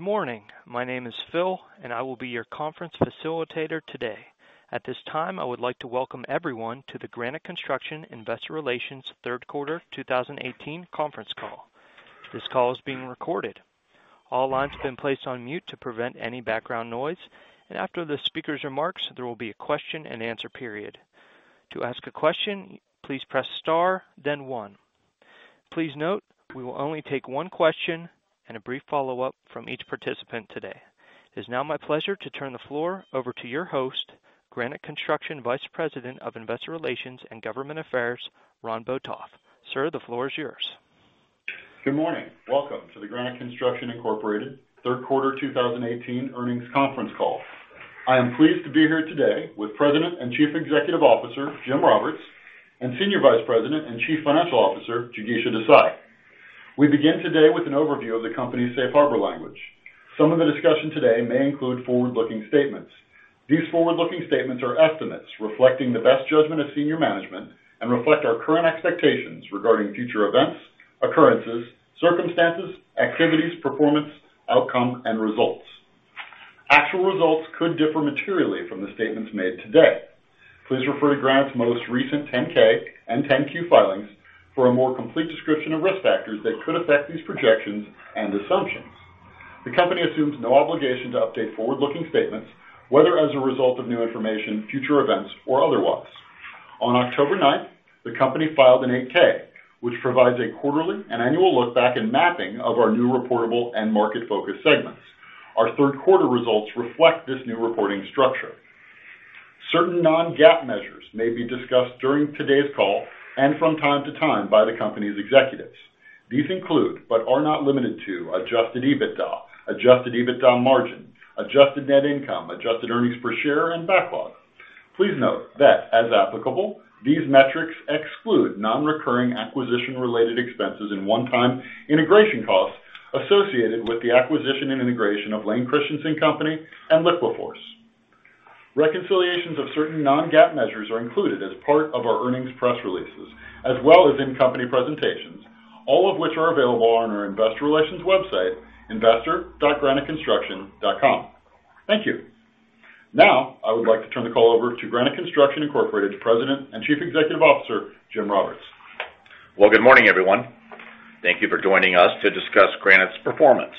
Good morning. My name is Phil, and I will be your conference facilitator today. At this time, I would like to welcome everyone to the Granite Construction investor relations third quarter 2018 conference call. This call is being recorded. All lines have been placed on mute to prevent any background noise, and after the speaker's remarks, there will be a question-and-answer period. To ask a question, please press star, then one. Please note, we will only take one question and a brief follow-up from each participant today. It is now my pleasure to turn the floor over to your host, Granite Construction Vice President of Investor Relations and Government Affairs, Ron Botoff. Sir, the floor is yours. Good morning. Welcome to the Granite Construction Incorporated third quarter 2018 earnings conference call. I am pleased to be here today with President and Chief Executive Officer Jim Roberts and Senior Vice President and Chief Financial Officer Jigisha Desai. We begin today with an overview of the company's safe harbor language. Some of the discussion today may include forward-looking statements. These forward-looking statements are estimates reflecting the best judgment of senior management and reflect our current expectations regarding future events, occurrences, circumstances, activities, performance, outcome, and results. Actual results could differ materially from the statements made today. Please refer to Granite's most recent 10-K and 10-Q filings for a more complete description of risk factors that could affect these projections and assumptions. The company assumes no obligation to update forward-looking statements, whether as a result of new information, future events, or otherwise. On October 9th, the company filed an 8-K, which provides a quarterly and annual look back and mapping of our new reportable and market-focused segments. Our third quarter results reflect this new reporting structure. Certain non-GAAP measures may be discussed during today's call and from time to time by the company's executives. These include, but are not limited to, Adjusted EBITDA, Adjusted EBITDA Margin, Adjusted Net Income, Adjusted Earnings Per Share, and Backlog. Please note that, as applicable, these metrics exclude non-recurring acquisition-related expenses and one-time integration costs associated with the acquisition and integration of Layne Christensen Company and LiquiFORCE. Reconciliations of certain non-GAAP measures are included as part of our earnings press releases, as well as in company presentations, all of which are available on our investor relations website, investor.graniteconstruction.com. Thank you. Now, I would like to turn the call over to Granite Construction Incorporated President and Chief Executive Officer Jim Roberts. Well, good morning, everyone. Thank you for joining us to discuss Granite's performance.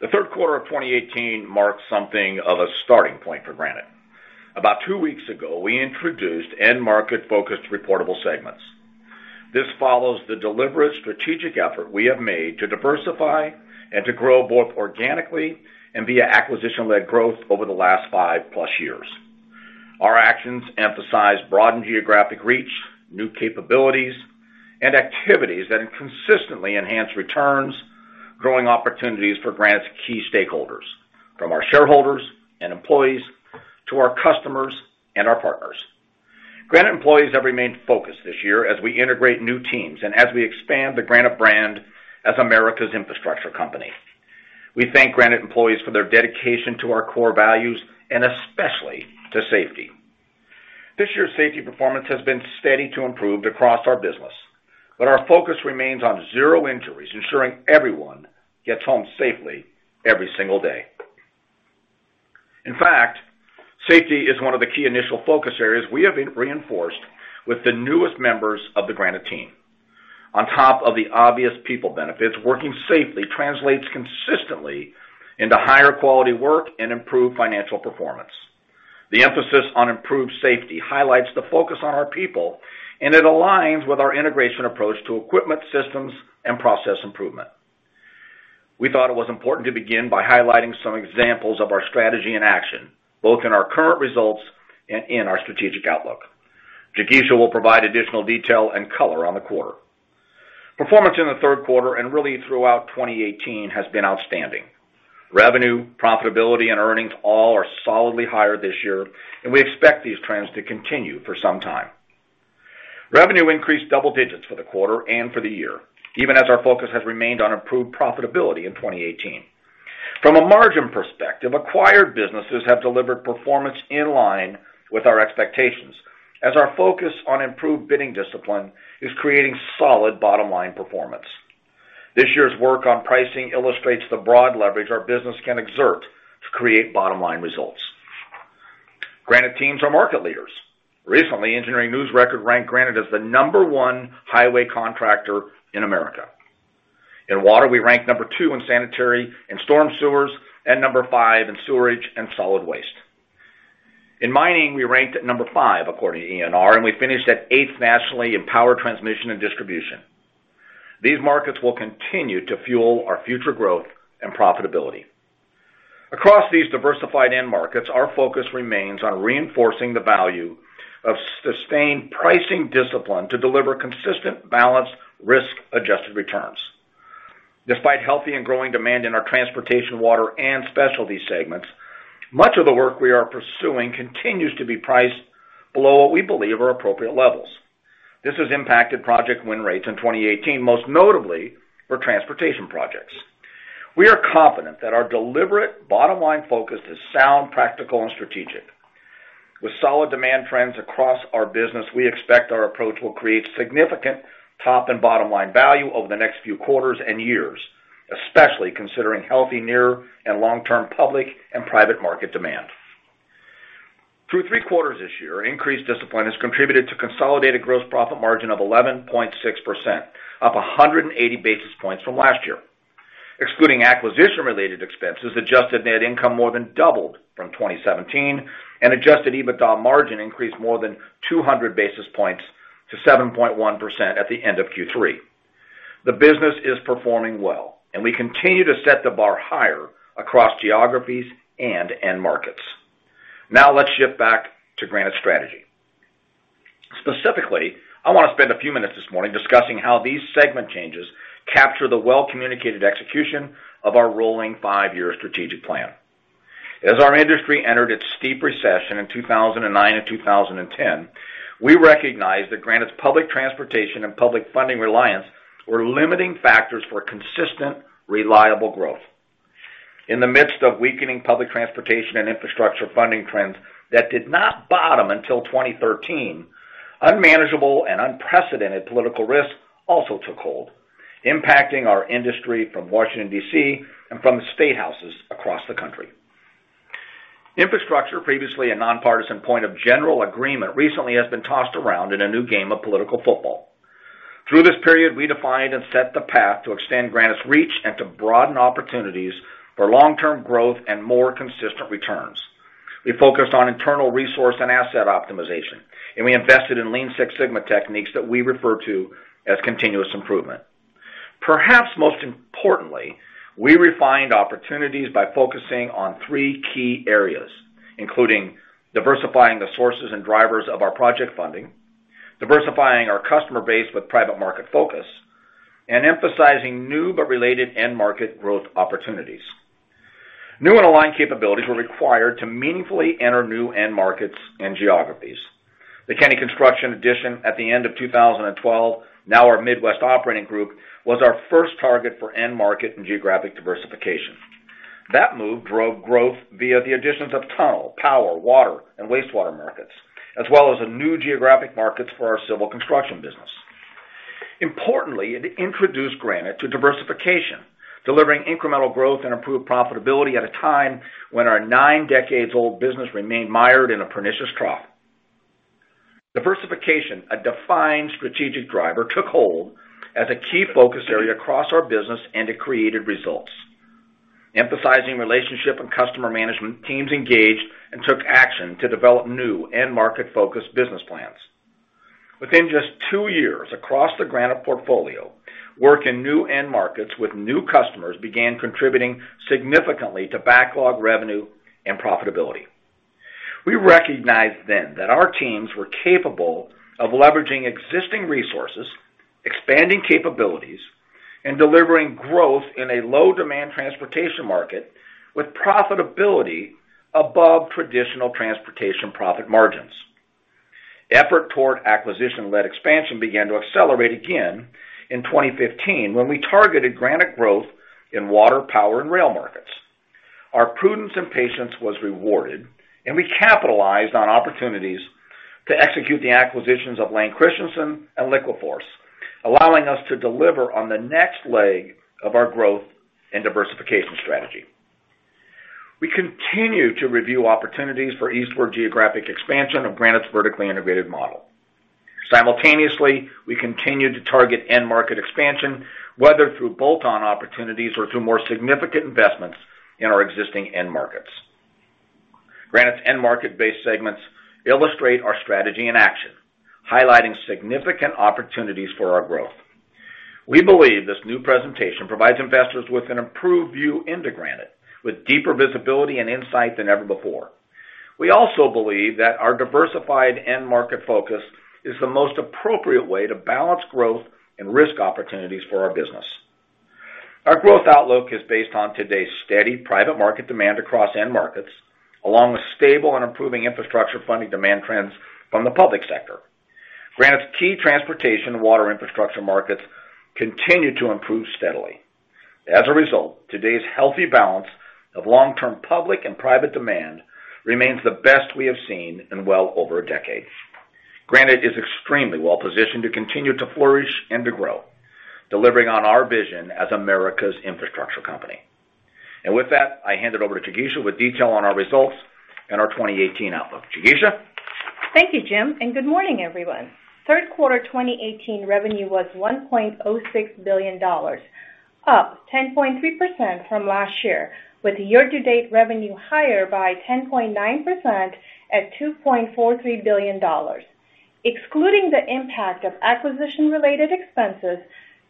The third quarter of 2018 marks something of a starting point for Granite. About two weeks ago, we introduced end-market-focused reportable segments. This follows the deliberate strategic effort we have made to diversify and to grow both organically and via acquisition-led growth over the last five-plus years. Our actions emphasize broadened geographic reach, new capabilities, and activities that consistently enhance returns, growing opportunities for Granite's key stakeholders, from our shareholders and employees to our customers and our partners. Granite employees have remained focused this year as we integrate new teams and as we expand the Granite brand as America's infrastructure company. We thank Granite employees for their dedication to our core values and especially to safety. This year's safety performance has been steady to improve across our business, but our focus remains on zero injuries, ensuring everyone gets home safely every single day. In fact, safety is one of the key initial focus areas we have reinforced with the newest members of the Granite team. On top of the obvious people benefits, working safely translates consistently into higher quality work and improved financial performance. The emphasis on improved safety highlights the focus on our people, and it aligns with our integration approach to equipment, systems, and process improvement. We thought it was important to begin by highlighting some examples of our strategy and action, both in our current results and in our strategic outlook. Jigisha will provide additional detail and color on the quarter. Performance in the third quarter and really throughout 2018 has been outstanding. Revenue, profitability, and earnings all are solidly higher this year, and we expect these trends to continue for some time. Revenue increased double digits for the quarter and for the year, even as our focus has remained on improved profitability in 2018. From a margin perspective, acquired businesses have delivered performance in line with our expectations, as our focus on improved bidding discipline is creating solid bottom-line performance. This year's work on pricing illustrates the broad leverage our business can exert to create bottom-line results. Granite teams are market leaders. Recently, Engineering News-Record ranked Granite as the number one highway contractor in America. In water, we ranked number two in sanitary and storm sewers, and number five in sewerage and solid waste. In mining, we ranked at number five according to ENR, and we finished at eighth nationally in power transmission and distribution. These markets will continue to fuel our future growth and profitability. Across these diversified end markets, our focus remains on reinforcing the value of sustained pricing discipline to deliver consistent, balanced, risk-adjusted returns. Despite healthy and growing demand in our transportation, water, and specialty segments, much of the work we are pursuing continues to be priced below what we believe are appropriate levels. This has impacted project win rates in 2018, most notably for transportation projects. We are confident that our deliberate bottom-line focus is sound, practical, and strategic. With solid demand trends across our business, we expect our approach will create significant top and bottom-line value over the next few quarters and years, especially considering healthy near and long-term public and private market demand. Through three quarters this year, increased discipline has contributed to consolidated gross profit margin of 11.6%, up 180 basis points from last year. Excluding acquisition-related expenses, Adjusted net income more than doubled from 2017, and Adjusted EBITDA margin increased more than 200 basis points to 7.1% at the end of Q3. The business is performing well, and we continue to set the bar higher across geographies and end markets. Now, let's shift back to Granite's strategy. Specifically, I want to spend a few minutes this morning discussing how these segment changes capture the well-communicated execution of our rolling five-year strategic plan. As our industry entered its steep recession in 2009 and 2010, we recognized that Granite's public transportation and public funding reliance were limiting factors for consistent, reliable growth. In the midst of weakening public transportation and infrastructure funding trends that did not bottom until 2013, unmanageable and unprecedented political risk also took hold, impacting our industry from Washington, D.C., and from state houses across the country. Infrastructure, previously a nonpartisan point of general agreement, recently has been tossed around in a new game of political football. Through this period, we defined and set the path to extend Granite's reach and to broaden opportunities for long-term growth and more consistent returns. We focused on internal resource and asset optimization, and we invested in Lean Six Sigma techniques that we refer to as continuous improvement. Perhaps most importantly, we refined opportunities by focusing on three key areas, including diversifying the sources and drivers of our project funding, diversifying our customer base with private market focus, and emphasizing new but related end market growth opportunities. New and aligned capabilities were required to meaningfully enter new end markets and geographies. The Kenny Construction acquisition at the end of 2012, now our Midwest operating group, was our first target for end market and geographic diversification. That move drove growth via the additions of tunnel, power, water, and wastewater markets, as well as new geographic markets for our civil construction business. Importantly, it introduced Granite to diversification, delivering incremental growth and improved profitability at a time when our nine-decades-old business remained mired in a pernicious trough. Diversification, a defined strategic driver, took hold as a key focus area across our business and it created results. Emphasizing relationship and customer management, teams engaged and took action to develop new end market-focused business plans. Within just two years, across the Granite portfolio, work in new end markets with new customers began contributing significantly to backlog revenue and profitability. We recognized then that our teams were capable of leveraging existing resources, expanding capabilities, and delivering growth in a low-demand transportation market with profitability above traditional transportation profit margins. Effort toward acquisition-led expansion began to accelerate again in 2015 when we targeted Granite growth in water, power, and rail markets. Our prudence and patience was rewarded, and we capitalized on opportunities to execute the acquisitions of Layne Christensen and LiquiFORCE, allowing us to deliver on the next leg of our growth and diversification strategy. We continue to review opportunities for eastward geographic expansion of Granite's vertically integrated model. Simultaneously, we continue to target end market expansion, whether through bolt-on opportunities or through more significant investments in our existing end markets. Granite's end market-based segments illustrate our strategy and action, highlighting significant opportunities for our growth. We believe this new presentation provides investors with an improved view into Granite, with deeper visibility and insight than ever before. We also believe that our diversified end market focus is the most appropriate way to balance growth and risk opportunities for our business. Our growth outlook is based on today's steady private market demand across end markets, along with stable and improving infrastructure funding demand trends from the public sector. Granite's key transportation and water infrastructure markets continue to improve steadily. As a result, today's healthy balance of long-term public and private demand remains the best we have seen in well over a decade. Granite is extremely well-positioned to continue to flourish and to grow, delivering on our vision as America's infrastructure company. With that, I hand it over to Jigisha with detail on our results and our 2018 outlook. Jigisha. Thank you, Jim. Good morning, everyone. Third quarter 2018 revenue was $1.06 billion, up 10.3% from last year, with year-to-date revenue higher by 10.9% at $2.43 billion. Excluding the impact of acquisition-related expenses,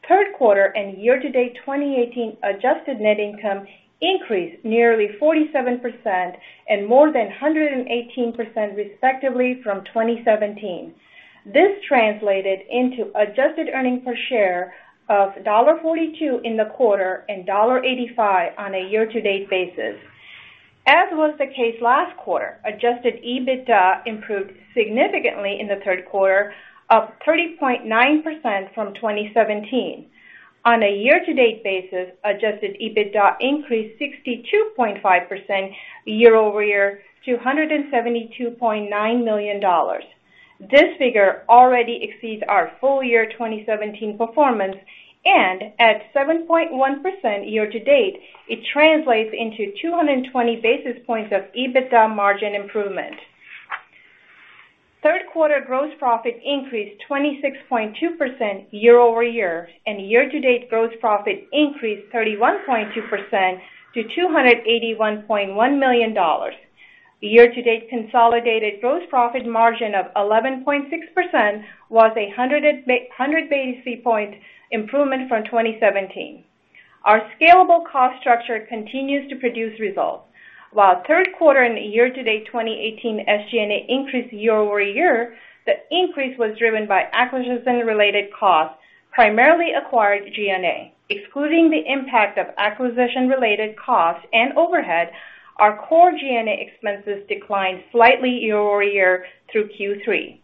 third quarter and year-to-date 2018 adjusted net income increased nearly 47% and more than 118% respectively from 2017. This translated into adjusted earnings per share of $1.42 in the quarter and $1.85 on a year-to-date basis. As was the case last quarter, adjusted EBITDA improved significantly in the third quarter, up 30.9% from 2017. On a year-to-date basis, adjusted EBITDA increased 62.5% year-over-year to $172.9 million. This figure already exceeds our full year 2017 performance, and at 7.1% year-to-date, it translates into 220 basis points of EBITDA margin improvement. Third quarter gross profit increased 26.2% year-over-year, and year-to-date gross profit increased 31.2% to $281.1 million. Year-to-date consolidated gross profit margin of 11.6% was a 100 basis point improvement from 2017. Our scalable cost structure continues to produce results. While third quarter and year-to-date 2018 SG&A increased year-over-year, the increase was driven by acquisition-related costs, primarily acquired G&A. Excluding the impact of acquisition-related costs and overhead, our core G&A expenses declined slightly year-over-year through Q3.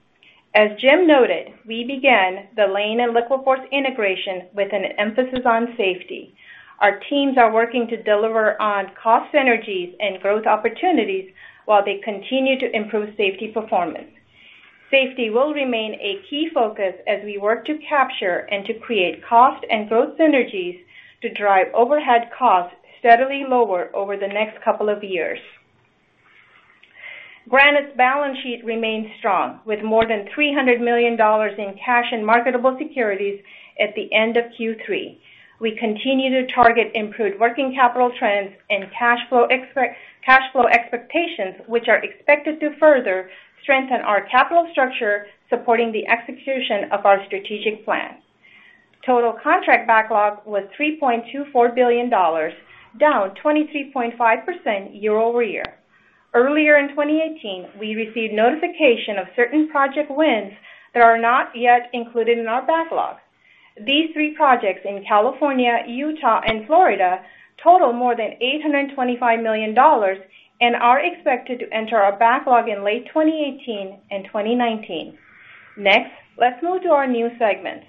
As Jim noted, we began the Layne and LiquiFORCE integration with an emphasis on safety. Our teams are working to deliver on cost synergies and growth opportunities while they continue to improve safety performance. Safety will remain a key focus as we work to capture and to create cost and growth synergies to drive overhead costs steadily lower over the next couple of years. Granite's balance sheet remains strong, with more than $300 million in cash and marketable securities at the end of Q3. We continue to target improved working capital trends and cash flow expectations, which are expected to further strengthen our capital structure, supporting the execution of our strategic plan. Total contract backlog was $3.24 billion, down 23.5% year-over-year. Earlier in 2018, we received notification of certain project wins that are not yet included in our backlog. These three projects in California, Utah, and Florida total more than $825 million and are expected to enter our backlog in late 2018 and 2019. Next, let's move to our new segments.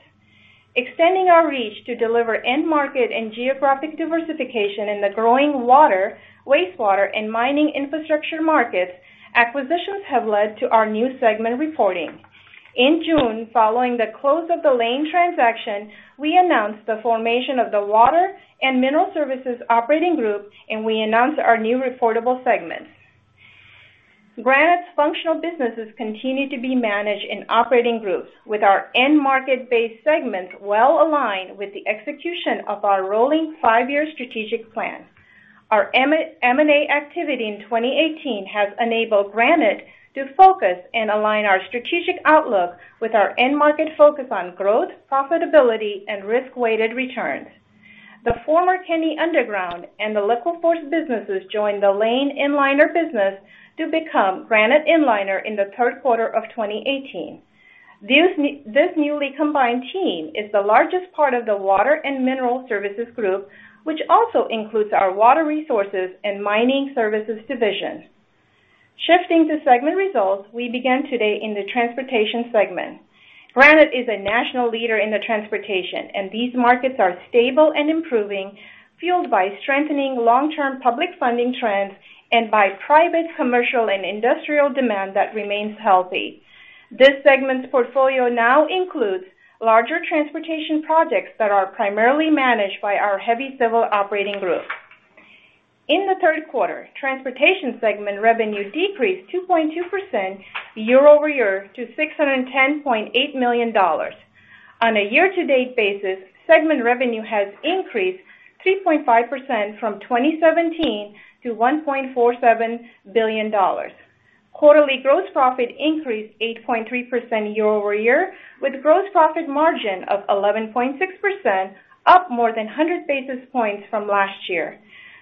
Extending our reach to deliver end market and geographic diversification in the growing water, wastewater, and mining infrastructure markets, acquisitions have led to our new segment reporting. In June, following the close of the Layne transaction, we announced the formation of the Water and Mineral Services Operating Group, and we announced our new reportable segments. Granite's functional businesses continue to be managed in operating groups, with our end market-based segments well aligned with the execution of our rolling five-year strategic plan. Our M&A activity in 2018 has enabled Granite to focus and align our strategic outlook with our end market focus on growth, profitability, and risk-weighted returns. The former Kenny Underground and the LiquiFORCE businesses joined the Layne Inliner business to become Granite Inliner in the third quarter of 2018. This newly combined team is the largest part of the Water and Mineral Services Group, which also includes our Water Resources and Mining Services Division. Shifting to segment results, we began today in the transportation segment. Granite is a national leader in the transportation, and these markets are stable and improving, fueled by strengthening long-term public funding trends and by private commercial and industrial demand that remains healthy. This segment's portfolio now includes larger transportation projects that are primarily managed by our heavy civil operating group. In the third quarter, transportation segment revenue decreased 2.2% year-over-year to $610.8 million. On a year-to-date basis, segment revenue has increased 3.5% from 2017 to $1.47 billion. Quarterly gross profit increased 8.3% year-over-year, with gross profit margin of 11.6%, up more than 100 basis points from last year.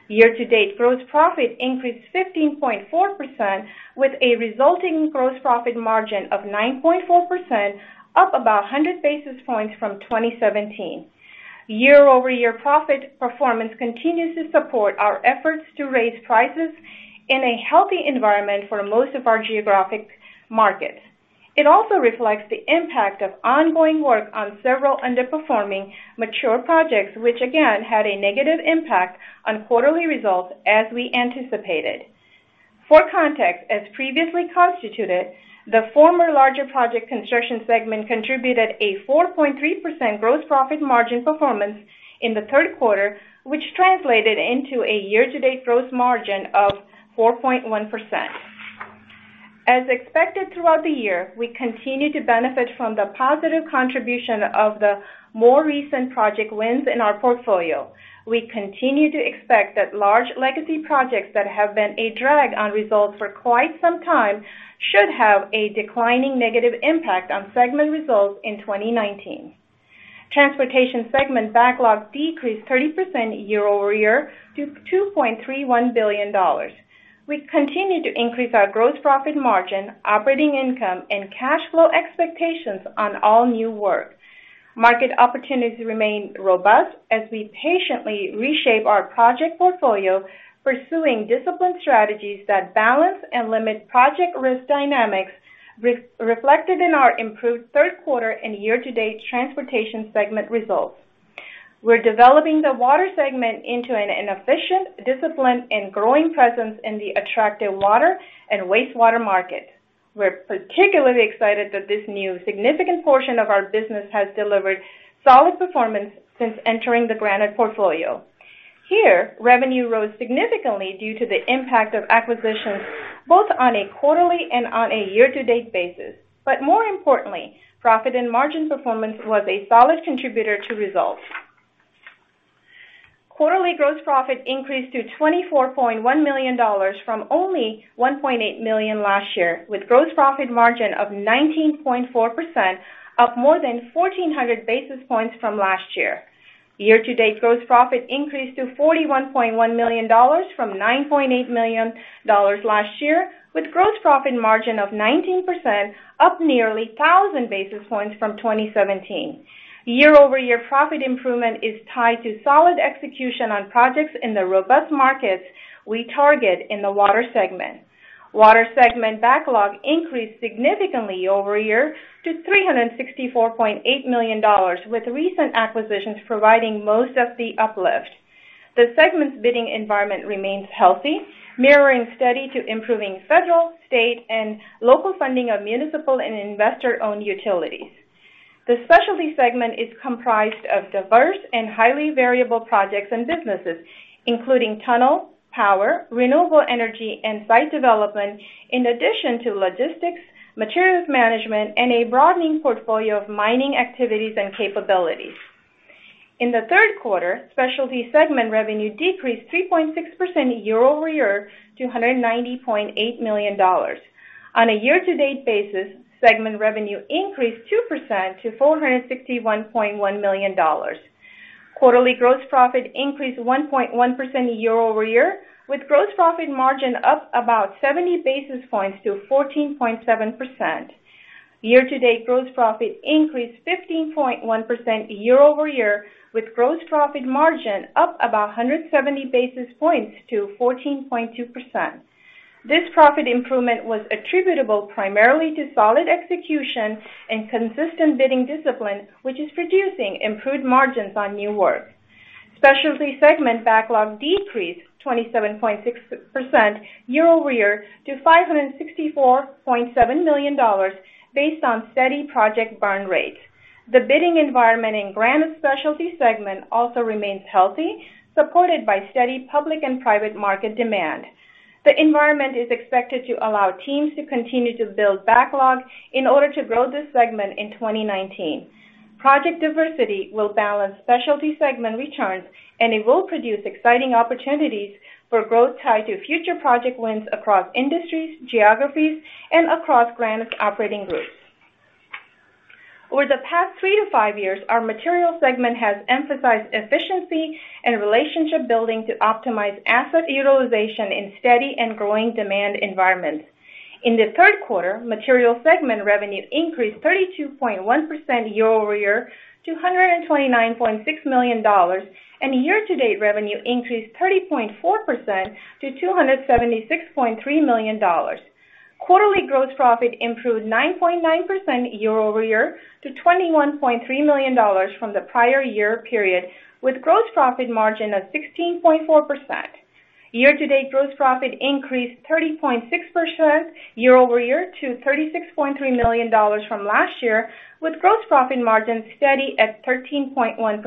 Year-to-date gross profit increased 15.4%, with a resulting gross profit margin of 9.4%, up about 100 basis points from 2017. Year-over-year profit performance continues to support our efforts to raise prices in a healthy environment for most of our geographic markets. It also reflects the impact of ongoing work on several underperforming mature projects, which again had a negative impact on quarterly results as we anticipated. For context, as previously constituted, the former larger project construction segment contributed a 4.3% gross profit margin performance in the third quarter, which translated into a year-to-date gross margin of 4.1%. As expected throughout the year, we continue to benefit from the positive contribution of the more recent project wins in our portfolio. We continue to expect that large legacy projects that have been a drag on results for quite some time should have a declining negative impact on segment results in 2019. Transportation segment backlog decreased 30% year-over-year to $2.31 billion. We continue to increase our gross profit margin, operating income, and cash flow expectations on all new work. Market opportunities remain robust as we patiently reshape our project portfolio, pursuing disciplined strategies that balance and limit project risk dynamics reflected in our improved third quarter and year-to-date transportation segment results. We're developing the water segment into an efficient, disciplined, and growing presence in the attractive water and wastewater market. We're particularly excited that this new significant portion of our business has delivered solid performance since entering the Granite portfolio. Here, revenue rose significantly due to the impact of acquisitions both on a quarterly and on a year-to-date basis. But more importantly, profit and margin performance was a solid contributor to results. Quarterly gross profit increased to $24.1 million from only $1.8 million last year, with gross profit margin of 19.4%, up more than 1,400 basis points from last year. Year-to-date gross profit increased to $41.1 million from $9.8 million last year, with gross profit margin of 19%, up nearly 1,000 basis points from 2017. Year-over-year profit improvement is tied to solid execution on projects in the robust markets we target in the water segment. Water segment backlog increased significantly year-over-year to $364.8 million, with recent acquisitions providing most of the uplift. The segment's bidding environment remains healthy, mirroring steady to improving federal, state, and local funding of municipal and investor-owned utilities. The specialty segment is comprised of diverse and highly variable projects and businesses, including tunnel, power, renewable energy, and site development, in addition to logistics, materials management, and a broadening portfolio of mining activities and capabilities. In the third quarter, specialty segment revenue decreased 3.6% year-over-year to $190.8 million. On a year-to-date basis, segment revenue increased 2% to $461.1 million. Quarterly gross profit increased 1.1% year-over-year, with gross profit margin up about 70 basis points to 14.7%. Year-to-date gross profit increased 15.1% year-over-year, with gross profit margin up about 170 basis points to 14.2%. This profit improvement was attributable primarily to solid execution and consistent bidding discipline, which is producing improved margins on new work. Specialty segment backlog decreased 27.6% year-over-year to $564.7 million based on steady project burn rates. The bidding environment in Granite's specialty segment also remains healthy, supported by steady public and private market demand. The environment is expected to allow teams to continue to build backlog in order to grow this segment in 2019. Project diversity will balance specialty segment returns, and it will produce exciting opportunities for growth tied to future project wins across industries, geographies, and across Granite's operating groups. Over the past three to five years, our materials segment has emphasized efficiency and relationship building to optimize asset utilization in steady and growing demand environments. In the third quarter, materials segment revenue increased 32.1% year-over-year to $129.6 million, and year-to-date revenue increased 30.4% to $276.3 million. Quarterly gross profit improved 9.9% year-over-year to $21.3 million from the prior year period, with gross profit margin of 16.4%. Year-to-date gross profit increased 30.6% year-over-year to $36.3 million from last year, with gross profit margin steady at 13.1%.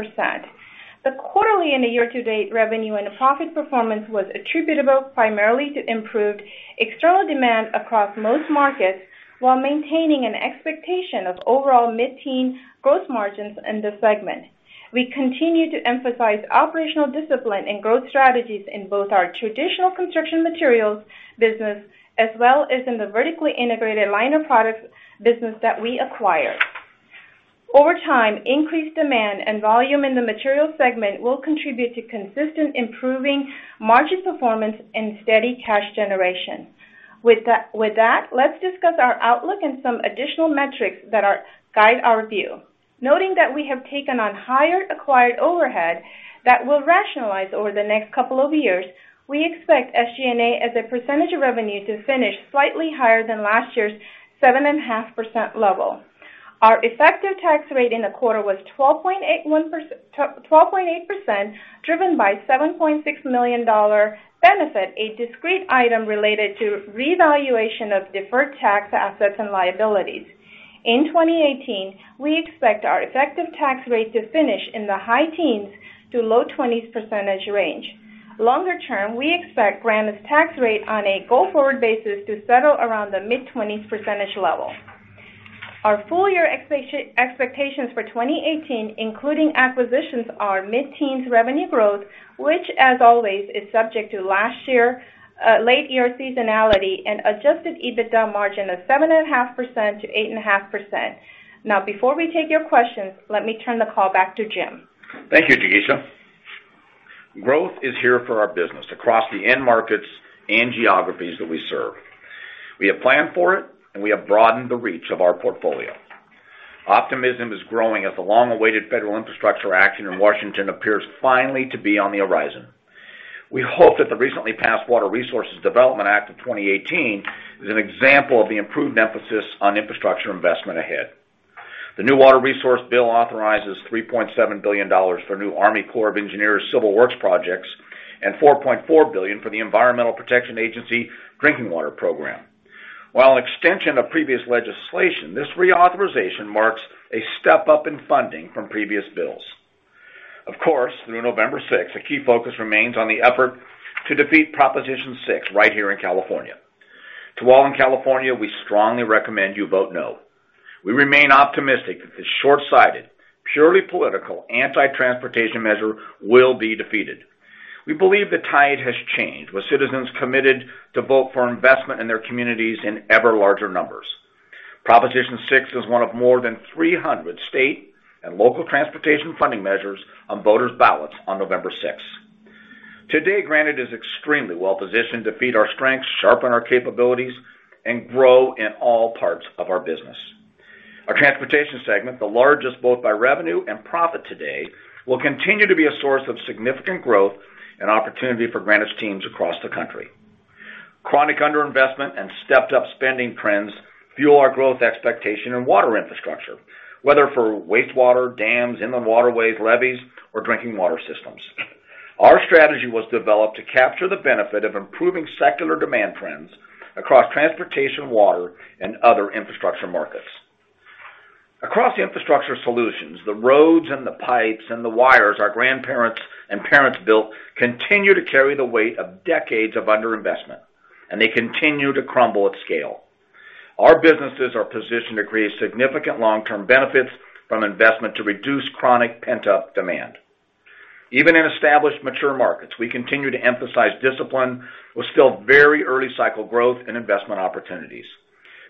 The quarterly and the year-to-date revenue and profit performance was attributable primarily to improved external demand across most markets while maintaining an expectation of overall mid-teen gross margins in the segment. We continue to emphasize operational discipline and growth strategies in both our traditional construction materials business as well as in the vertically integrated liner products business that we acquired. Over time, increased demand and volume in the materials segment will contribute to consistent improving margin performance and steady cash generation. With that, let's discuss our outlook and some additional metrics that guide our view. Noting that we have taken on higher acquired overhead that will rationalize over the next couple of years, we expect SG&A as a percentage of revenue to finish slightly higher than last year's 7.5% level. Our effective tax rate in the quarter was 12.8%, driven by $7.6 million benefit, a discrete item related to revaluation of deferred tax assets and liabilities. In 2018, we expect our effective tax rate to finish in the high teens to low twenties % range. Longer term, we expect Granite's tax rate on a go forward basis to settle around the mid-20s% level. Our full year expectations for 2018, including acquisitions, are mid-teens revenue growth, which, as always, is subject to last year's late year seasonality and adjusted EBITDA margin of 7.5%-8.5%. Now, before we take your questions, let me turn the call back to Jim. Thank you, Jigisha. Growth is here for our business across the end markets and geographies that we serve. We have planned for it, and we have broadened the reach of our portfolio. Optimism is growing as the long-awaited federal infrastructure action in Washington appears finally to be on the horizon. We hope that the recently passed Water Resources Development Act of 2018 is an example of the improved emphasis on infrastructure investment ahead. The new water resource bill authorizes $3.7 billion for new Army Corps of Engineers civil works projects and $4.4 billion for the Environmental Protection Agency drinking water program. While an extension of previous legislation, this reauthorization marks a step up in funding from previous bills. Of course, through November 6, a key focus remains on the effort to defeat Proposition 6 right here in California. To all in California, we strongly recommend you vote no. We remain optimistic that this short-sighted, purely political anti-transportation measure will be defeated. We believe the tide has changed with citizens committed to vote for investment in their communities in ever larger numbers. Proposition 6 is one of more than 300 state and local transportation funding measures on voters' ballots on November 6. Today, Granite is extremely well positioned to feed our strengths, sharpen our capabilities, and grow in all parts of our business. Our transportation segment, the largest both by revenue and profit today, will continue to be a source of significant growth and opportunity for Granite's teams across the country. Chronic underinvestment and stepped-up spending trends fuel our growth expectation in water infrastructure, whether for wastewater, dams, inland waterways, levees, or drinking water systems. Our strategy was developed to capture the benefit of improving secular demand terms across transportation, water, and other infrastructure markets. Across infrastructure solutions, the roads and the pipes and the wires our grandparents and parents built continue to carry the weight of decades of underinvestment, and they continue to crumble at scale. Our businesses are positioned to create significant long-term benefits from investment to reduce chronic pent-up demand. Even in established mature markets, we continue to emphasize discipline with still very early cycle growth and investment opportunities.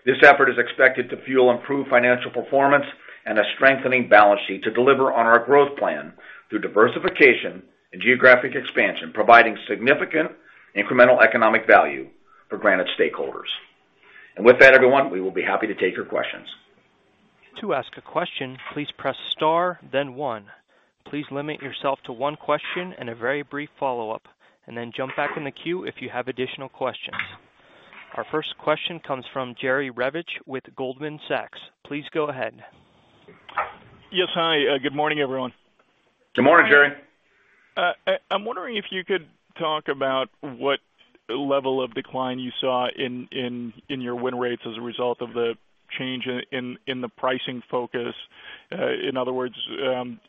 This effort is expected to fuel improved financial performance and a strengthening balance sheet to deliver on our growth plan through diversification and geographic expansion, providing significant incremental economic value for Granite's stakeholders. And with that, everyone, we will be happy to take your questions. To ask a question, please press star, then one. Please limit yourself to one question and a very brief follow-up, and then jump back in the queue if you have additional questions. Our first question comes from Jerry Revich with Goldman Sachs. Please go ahead. Yes, hi. Good morning, everyone. Good morning, Jerry. I'm wondering if you could talk about what level of decline you saw in your win rates as a result of the change in the pricing focus. In other words,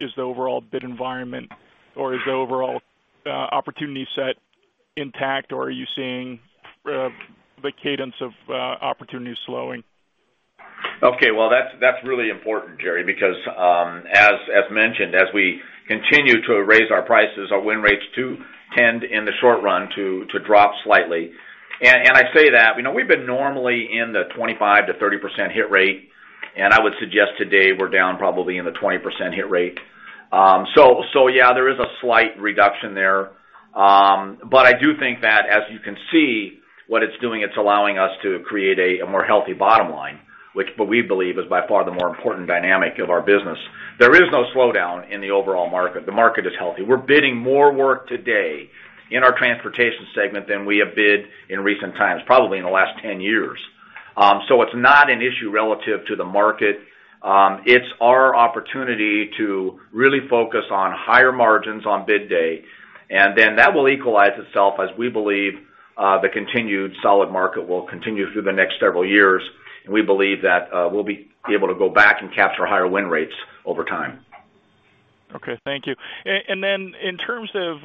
is the overall bid environment or is the overall opportunity set intact, or are you seeing the cadence of opportunity slowing? Okay. Well, that's really important, Jerry, because, as mentioned, as we continue to raise our prices, our win rates do tend in the short run to drop slightly. And I say that. We've been normally in the 25%-30% hit rate, and I would suggest today we're down probably in the 20% hit rate. So yeah, there is a slight reduction there. But I do think that, as you can see, what it's doing, it's allowing us to create a more healthy bottom line, which we believe is by far the more important dynamic of our business. There is no slowdown in the overall market. The market is healthy. We're bidding more work today in our transportation segment than we have bid in recent times, probably in the last 10 years. So it's not an issue relative to the market. It's our opportunity to really focus on higher margins on bid day, and then that will equalize itself as we believe the continued solid market will continue through the next several years. And we believe that we'll be able to go back and capture higher win rates over time. Okay. Thank you. And then in terms of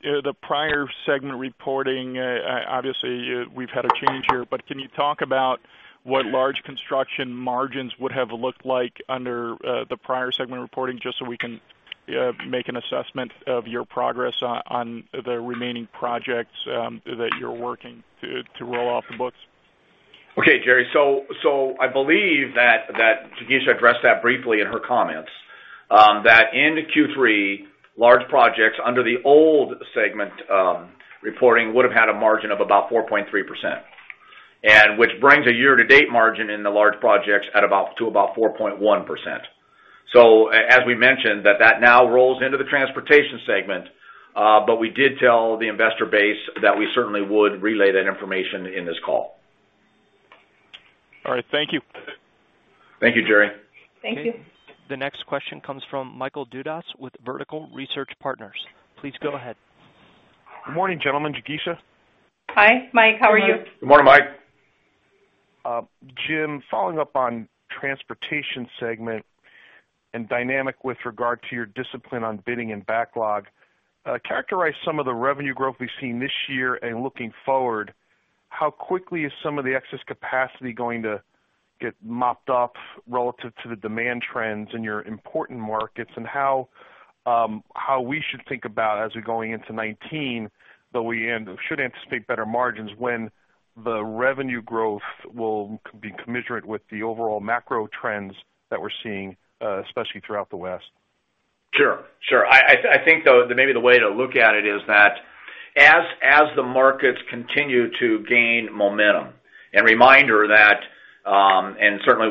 the prior segment reporting, obviously we've had a change here, but can you talk about what large construction margins would have looked like under the prior segment reporting just so we can make an assessment of your progress on the remaining projects that you're working to roll off the books? Okay, Jerry. So I believe that Jigisha addressed that briefly in her comments, that in Q3, large projects under the old segment reporting would have had a margin of about 4.3%, which brings a year-to-date margin in the large projects to about 4.1%. So as we mentioned, that now rolls into the transportation segment, but we did tell the investor base that we certainly would relay that information in this call. All right. Thank you. Thank you, Jerry. Thank you. The next question comes from Michael Dudas with Vertical Research Partners. Please go ahead. Good morning, gentlemen. Jigisha. Hi, Mike. How are you? Good morning, Mike. Jim, following up on transportation segment and dynamic with regard to your discipline on bidding and backlog, characterize some of the revenue growth we've seen this year and looking forward, how quickly is some of the excess capacity going to get mopped up relative to the demand trends in your important markets, and how we should think about as we're going into 2019 that we should anticipate better margins when the revenue growth will be commensurate with the overall macro trends that we're seeing, especially throughout the West? Sure. Sure. I think maybe the way to look at it is that as the markets continue to gain momentum, and reminder that, and certainly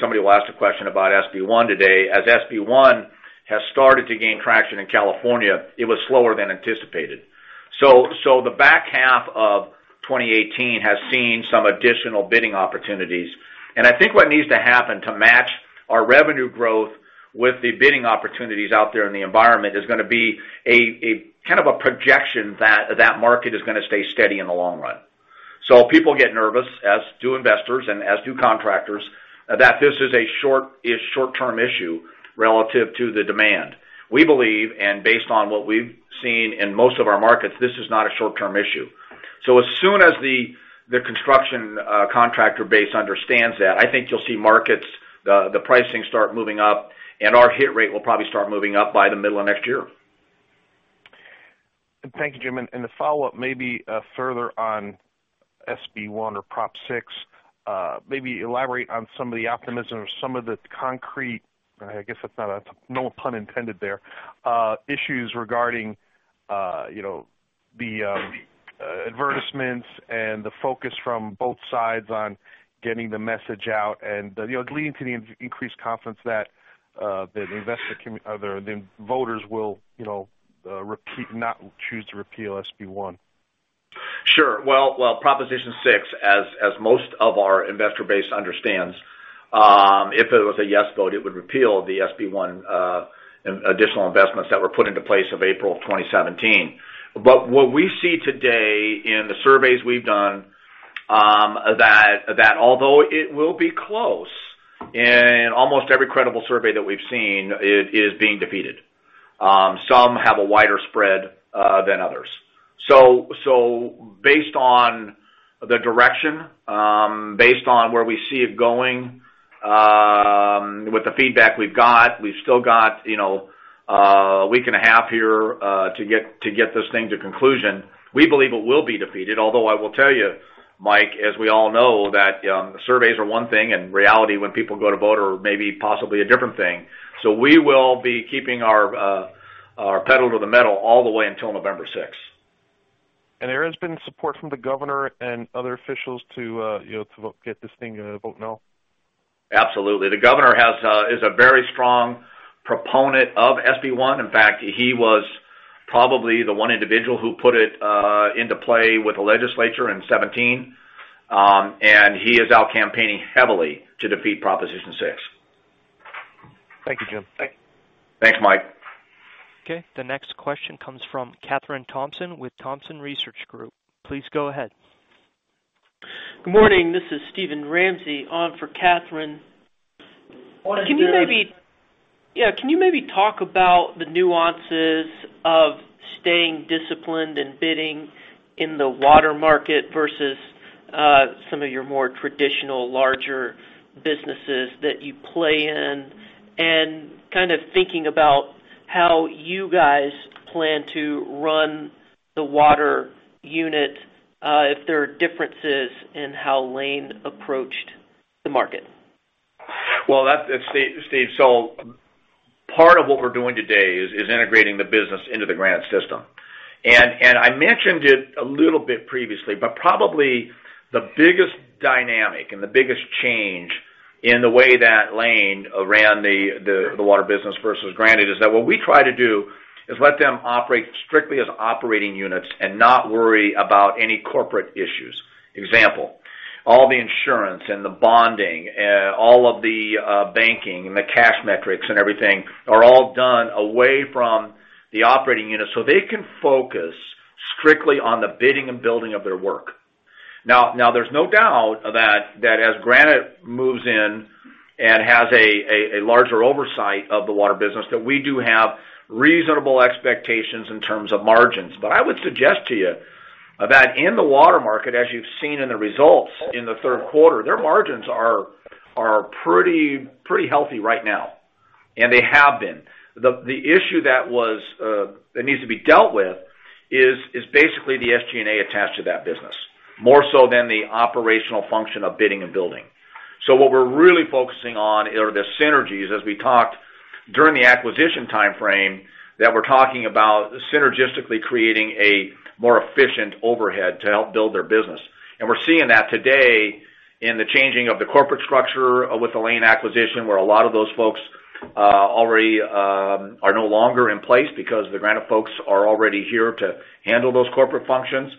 somebody will ask a question about SB1 today, as SB1 has started to gain traction in California, it was slower than anticipated. So the back half of 2018 has seen some additional bidding opportunities. And I think what needs to happen to match our revenue growth with the bidding opportunities out there in the environment is going to be kind of a projection that that market is going to stay steady in the long run. So people get nervous, as do investors and as do contractors, that this is a short-term issue relative to the demand. We believe, and based on what we've seen in most of our markets, this is not a short-term issue. So as soon as the construction contractor base understands that, I think you'll see markets, the pricing start moving up, and our hit rate will probably start moving up by the middle of next year. Thank you, Jim. And the follow-up maybe further on SB1 or Prop 6, maybe elaborate on some of the optimism, some of the concrete, I guess that's no pun intended there, issues regarding the advertisements and the focus from both sides on getting the message out and leading to the increased confidence that the investor or the voters will not choose to repeal SB1. Sure. Well, Proposition 6, as most of our investor base understands, if it was a yes vote, it would repeal the SB1 additional investments that were put into place in April of 2017. But what we see today in the surveys we've done is that although it will be close, in almost every credible survey that we've seen, it is being defeated. Some have a wider spread than others. So based on the direction, based on where we see it going, with the feedback we've got, we've still got a week and a half here to get this thing to conclusion. We believe it will be defeated, although I will tell you, Mike, as we all know, that surveys are one thing and reality, when people go to vote, are maybe possibly a different thing. So we will be keeping our pedal to the metal all the way until November 6. And there has been support from the governor and other officials to get this thing to vote no? Absolutely. The governor is a very strong proponent of SB1. In fact, he was probably the one individual who put it into play with the legislature in 2017, and he is out campaigning heavily to defeat Proposition 6. Thank you, Jim. Thanks, Mike. Okay. The next question comes from Kathryn Thompson with Thompson Research Group. Please go ahead. Good morning. This is Steven Ramsey on for Kathryn. Can you maybe, yeah, can you maybe talk about the nuances of staying disciplined in bidding in the water market versus some of your more traditional, larger businesses that you play in, and kind of thinking about how you guys plan to run the water unit if there are differences in how Layne approached the market? Well, Steve, so part of what we're doing today is integrating the business into the Granite system. And I mentioned it a little bit previously, but probably the biggest dynamic and the biggest change in the way that Layne ran the water business versus Granite is that what we try to do is let them operate strictly as operating units and not worry about any corporate issues. Example, all the insurance and the bonding, all of the banking and the cash metrics and everything are all done away from the operating unit so they can focus strictly on the bidding and building of their work. Now, there's no doubt that as Granite moves in and has a larger oversight of the water business, that we do have reasonable expectations in terms of margins. But I would suggest to you that in the water market, as you've seen in the results in the third quarter, their margins are pretty healthy right now, and they have been. The issue that needs to be dealt with is basically the SG&A attached to that business, more so than the operational function of bidding and building. So what we're really focusing on are the synergies. As we talked during the acquisition timeframe, that we're talking about synergistically creating a more efficient overhead to help build their business. And we're seeing that today in the changing of the corporate structure with the Layne acquisition, where a lot of those folks already are no longer in place because the Granite folks are already here to handle those corporate functions.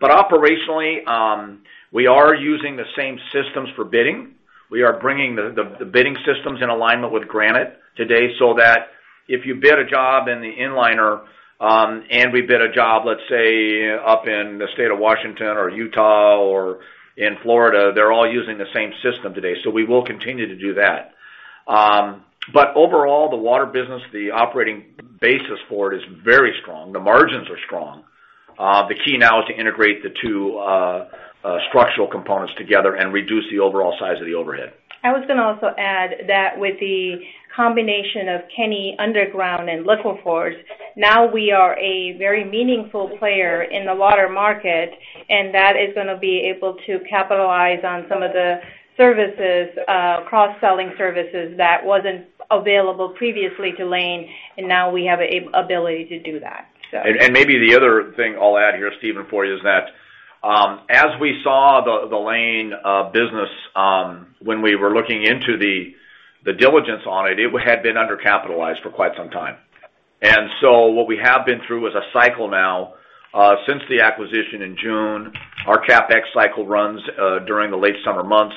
But operationally, we are using the same systems for bidding. We are bringing the bidding systems in alignment with Granite today so that if you bid a job in the Inliner and we bid a job, let's say, up in the state of Washington or Utah or in Florida, they're all using the same system today. So we will continue to do that. But overall, the water business, the operating basis for it is very strong. The margins are strong. The key now is to integrate the two structural components together and reduce the overall size of the overhead. I was going to also add that with the combination of Kenny Underground and LiquiFORCE, now we are a very meaningful player in the water market, and that is going to be able to capitalize on some of the cross-selling services that wasn't available previously to Layne, and now we have an ability to do that. Maybe the other thing I'll add here, Steven, for you is that as we saw the Layne business when we were looking into the diligence on it, it had been undercapitalized for quite some time. So what we have been through is a cycle now. Since the acquisition in June, our CapEx cycle runs during the late summer months,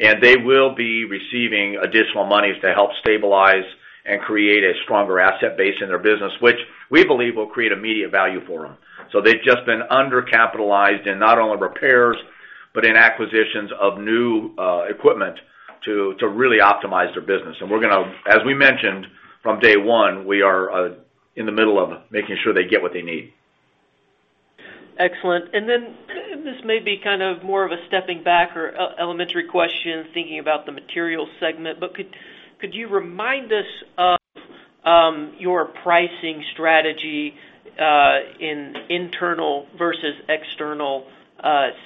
and they will be receiving additional monies to help stabilize and create a stronger asset base in their business, which we believe will create immediate value for them. So they've just been undercapitalized in not only repairs but in acquisitions of new equipment to really optimize their business. And we're going to, as we mentioned, from day one, we are in the middle of making sure they get what they need. Excellent. And then this may be kind of more of a stepping back or elementary question thinking about the materials segment, but could you remind us of your pricing strategy in internal versus external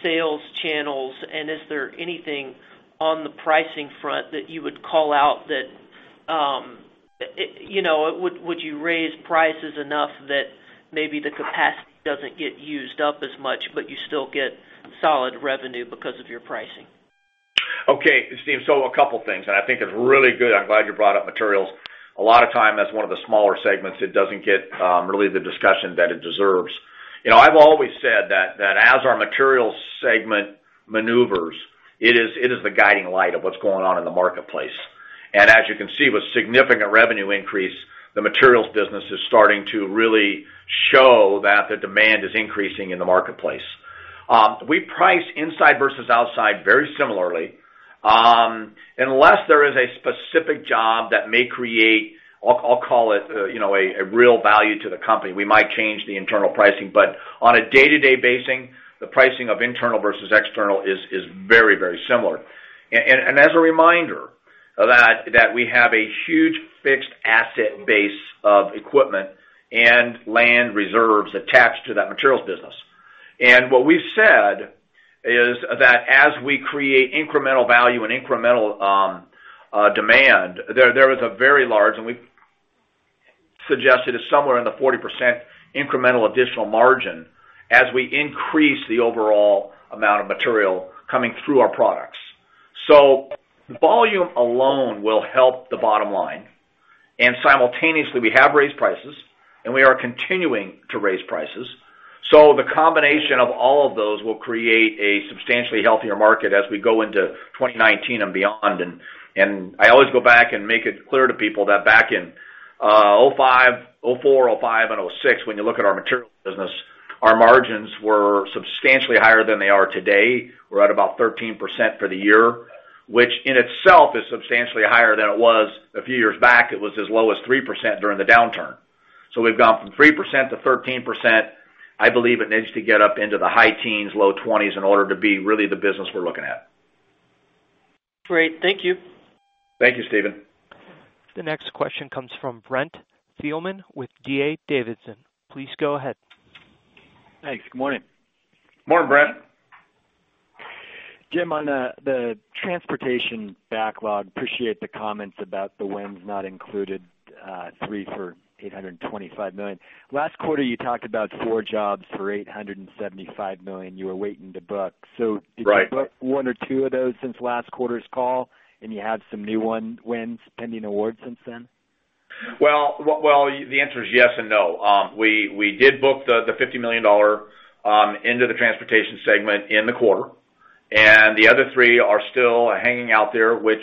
sales channels? And is there anything on the pricing front that you would call out that would you raise prices enough that maybe the capacity doesn't get used up as much, but you still get solid revenue because of your pricing? Okay. Steve, so a couple of things. I think it's really good. I'm glad you brought up materials. A lot of time, as one of the smaller segments, it doesn't get really the discussion that it deserves. I've always said that as our materials segment maneuvers, it is the guiding light of what's going on in the marketplace. As you can see, with significant revenue increase, the materials business is starting to really show that the demand is increasing in the marketplace. We price inside versus outside very similarly. Unless there is a specific job that may create, I'll call it, a real value to the company, we might change the internal pricing. But on a day-to-day basis, the pricing of internal versus external is very, very similar. And as a reminder that we have a huge fixed asset base of equipment and land reserves attached to that materials business. And what we've said is that as we create incremental value and incremental demand, there is a very large, and we suggest it is somewhere in the 40% incremental additional margin, as we increase the overall amount of material coming through our products. So volume alone will help the bottom line. And simultaneously, we have raised prices, and we are continuing to raise prices. So the combination of all of those will create a substantially healthier market as we go into 2019 and beyond. I always go back and make it clear to people that back in 2004, 2005, and 2006, when you look at our materials business, our margins were substantially higher than they are today. We're at about 13% for the year, which in itself is substantially higher than it was a few years back. It was as low as 3% during the downturn. So we've gone from 3% to 13%. I believe it needs to get up into the high teens, low 20s in order to be really the business we're looking at. Great. Thank you. Thank you, Steven. The next question comes from Brent Thielman with D.A. Davidson. Please go ahead. Thanks. Good morning. Good morning, Brent. Jim, on the transportation backlog, appreciate the comments about the wins not included: three for $825 million. Last quarter, you talked about four jobs for $875 million. You were waiting to book. So did you book one or two of those since last quarter's call, and you have some new wins pending awards since then? Well, the answer is yes and no. We did book the $50 million into the transportation segment in the quarter, and the other three are still hanging out there, which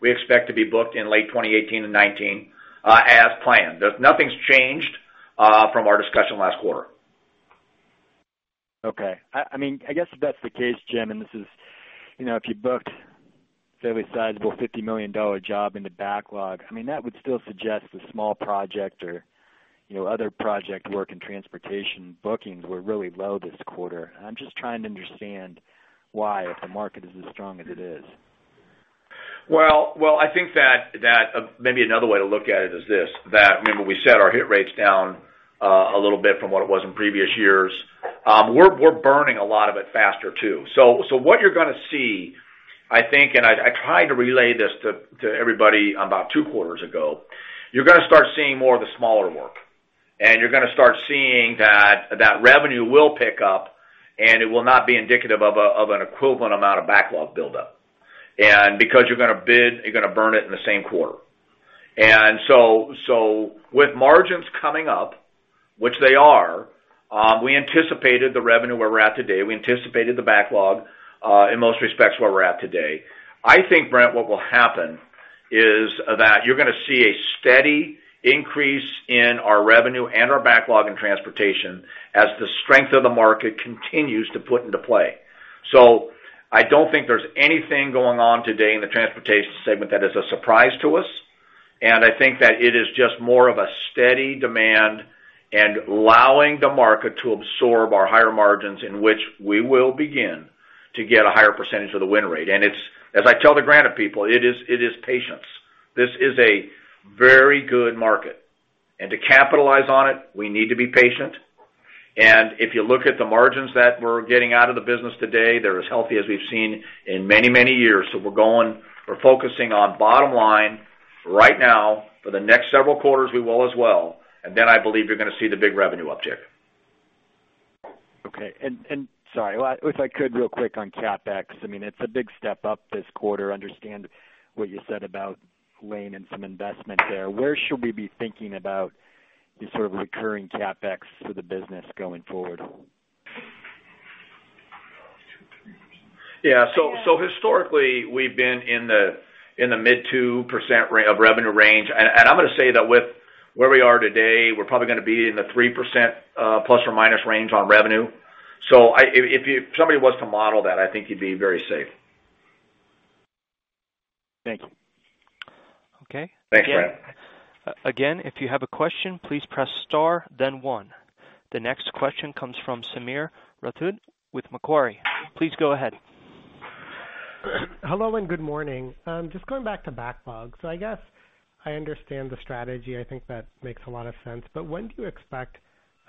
we expect to be booked in late 2018 and 2019 as planned. Nothing's changed from our discussion last quarter. Okay. I mean, I guess if that's the case, Jim, and this is if you booked a fairly sizable $50 million job in the backlog, I mean, that would still suggest the small project or other project work in transportation bookings were really low this quarter. I'm just trying to understand why if the market is as strong as it is. Well, I think that maybe another way to look at it is this: remember, we set our hit rates down a little bit from what it was in previous years. We're burning a lot of it faster too. So what you're going to see, I think, and I tried to relay this to everybody about two quarters ago, you're going to start seeing more of the smaller work, and you're going to start seeing that revenue will pick up, and it will not be indicative of an equivalent amount of backlog buildup. And because you're going to bid, you're going to burn it in the same quarter. And so with margins coming up, which they are, we anticipated the revenue where we're at today. We anticipated the backlog in most respects where we're at today. I think, Brent, what will happen is that you're going to see a steady increase in our revenue and our backlog in transportation as the strength of the market continues to put into play. So I don't think there's anything going on today in the transportation segment that is a surprise to us. And I think that it is just more of a steady demand and allowing the market to absorb our higher margins in which we will begin to get a higher percentage of the win rate. And as I tell the Granite people, it is patience. This is a very good market. And to capitalize on it, we need to be patient. And if you look at the margins that we're getting out of the business today, they're as healthy as we've seen in many, many years. So we're focusing on bottom line right now. For the next several quarters, we will as well. And then I believe you're going to see the big revenue uptick. Okay. And sorry, if I could real quick on CapEx, I mean, it's a big step up this quarter. Understand what you said about Layne and some investment there. Where should we be thinking about the sort of recurring CapEx forthe business going forward? Yeah. So historically, we've been in the mid 2% revenue range. And I'm going to say that with where we are today, we're probably going to be in the 3% ± range on revenue. So if somebody was to model that, I think you'd be very safe. Thank you. Okay. Thanks, Brent. Again, if you have a question, please press star, then one. The next question comes from Sameer Rathod with Macquarie Capital. Please go ahead. Hello and good morning. Just going back to backlog. So I guess I understand the strategy. I think that makes a lot of sense. But when do you expect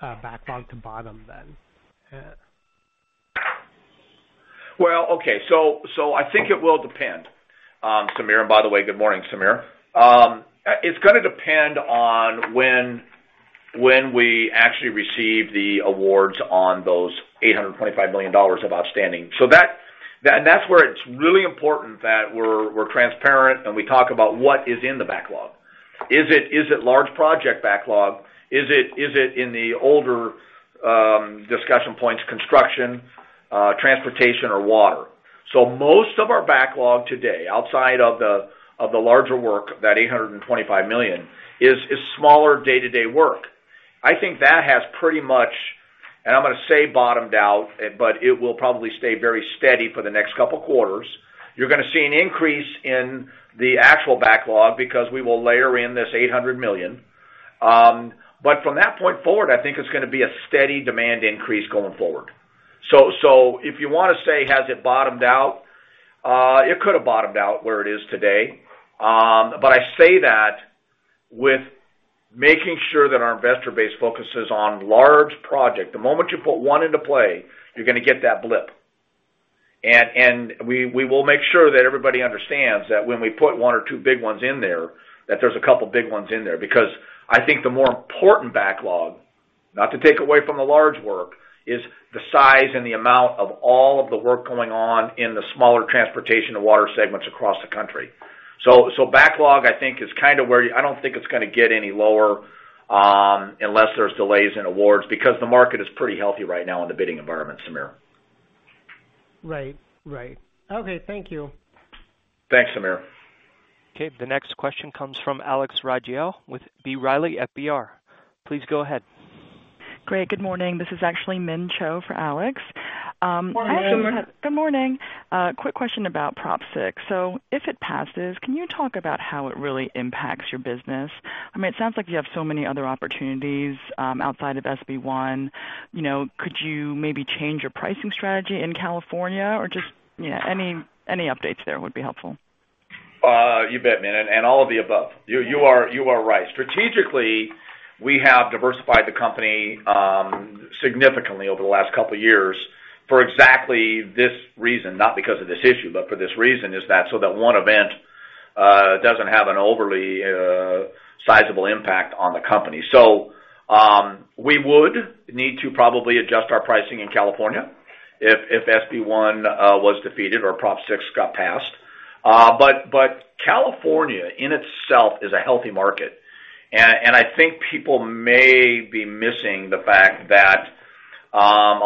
backlog to bottom then? Well, okay. So I think it will depend. Sameer, and by the way, good morning, Sameer. It's going to depend on when we actually receive the awards on those $825 million of outstanding. And that's where it's really important that we're transparent and we talk about what is in the backlog. Is it large project backlog? Is it in our discussion points, construction, transportation, or water? So most of our backlog today, outside of the larger work, that $825 million, is smaller day-to-day work. I think that has pretty much, and I'm going to say, bottomed out, but it will probably stay very steady for the next couple of quarters. You're going to see an increase in the actual backlog because we will layer in this $800 million. But from that point forward, I think it's going to be a steady demand increase going forward. So if you want to say, "Has it bottomed out?" It could have bottomed out where it is today. But I say that with making sure that our investor base focuses on large projects. The moment you put one into play, you're going to get that blip. And we will make sure that everybody understands that when we put one or two big ones in there, that there's a couple of big ones in there. Because I think the more important backlog, not to take away from the large work, is the size and the amount of all of the work going on in the smaller transportation and water segments across the country. So backlog, I think, is kind of where I don't think it's going to get any lower unless there's delays in awards because the market is pretty healthy right now in the bidding environment, Sameer. Right. Right. Okay. Thank you. Thanks, Sameer. Okay. The next question comes from Alex Rygiel with B. Riley FBR. Please go ahead. Great. Good morning. This is actually Min Cho for Alex. Good morning. Quick question about Prop 6. So if it passes, can you talk about how it really impacts your business? I mean, it sounds like you have so many other opportunities outside of SB1. Could you maybe change your pricing strategy in California? Or just any updates there would be helpful. You bet, Min. And all of the above. You are right. Strategically, we have diversified the company significantly over the last couple of years for exactly this reason. Not because of this issue, but for this reason, is that so that one event doesn't have an overly sizable impact on the company. So we would need to probably adjust our pricing in California if SB1 was defeated or Prop 6 got passed. But California in itself is a healthy market. And I think people may be missing the fact that a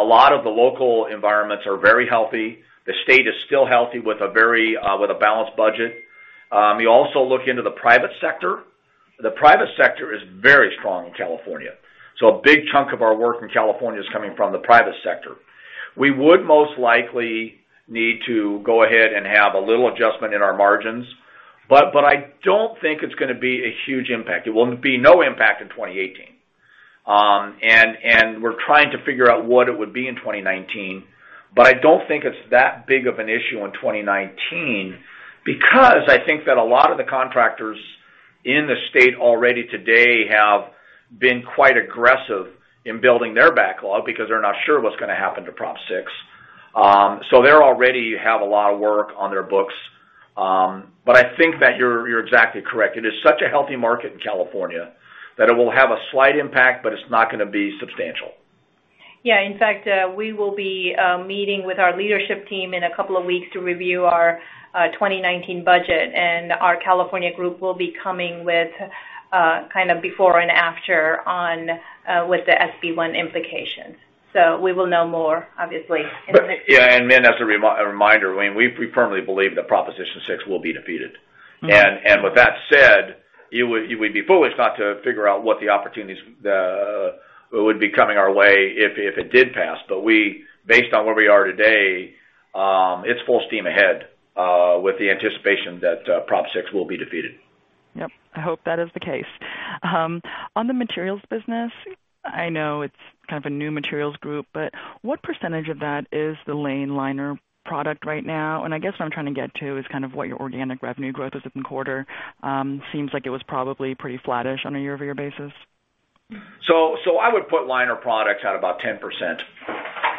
lot of the local environments are very healthy. The state is still healthy with a balanced budget. You also look into the private sector. The private sector is very strong in California. So a big chunk of our work in California is coming from the private sector. We would most likely need to go ahead and have a little adjustment in our margins. But I don't think it's going to be a huge impact. It will be no impact in 2018. And we're trying to figure out what it would be in 2019. But I don't think it's that big of an issue in 2019 because I think that a lot of the contractors in the state already today have been quite aggressive in building their backlog because they're not sure what's going to happen to Prop 6. So they already have a lot of work on their books. But I think that you're exactly correct. It is such a healthy market in California that it will have a slight impact, but it's not going to be substantial. Yeah. In fact, we will be meeting with our leadership team in a couple of weeks to review our 2019 budget. And our California group will be coming with kind of before and after with the SB1 implications. So we will know more, obviously. Yeah. And Min has a reminder. We firmly believe that Proposition 6 will be defeated. And with that said, it would be foolish not to figure out what the opportunities would be coming our way if it did pass. But based on where we are today, it's full steam ahead with the anticipation that Prop 6 will be defeated. Yep. I hope that is the case. On the materials business, I know it's kind of a new materials group. But what percentage of that is the Layne liner product right now? And I guess what I'm trying to get to is kind of what your organic revenue growth was in the quarter. Seems like it was probably pretty flattish on a year-over-year basis. So I would put liner products at about 10%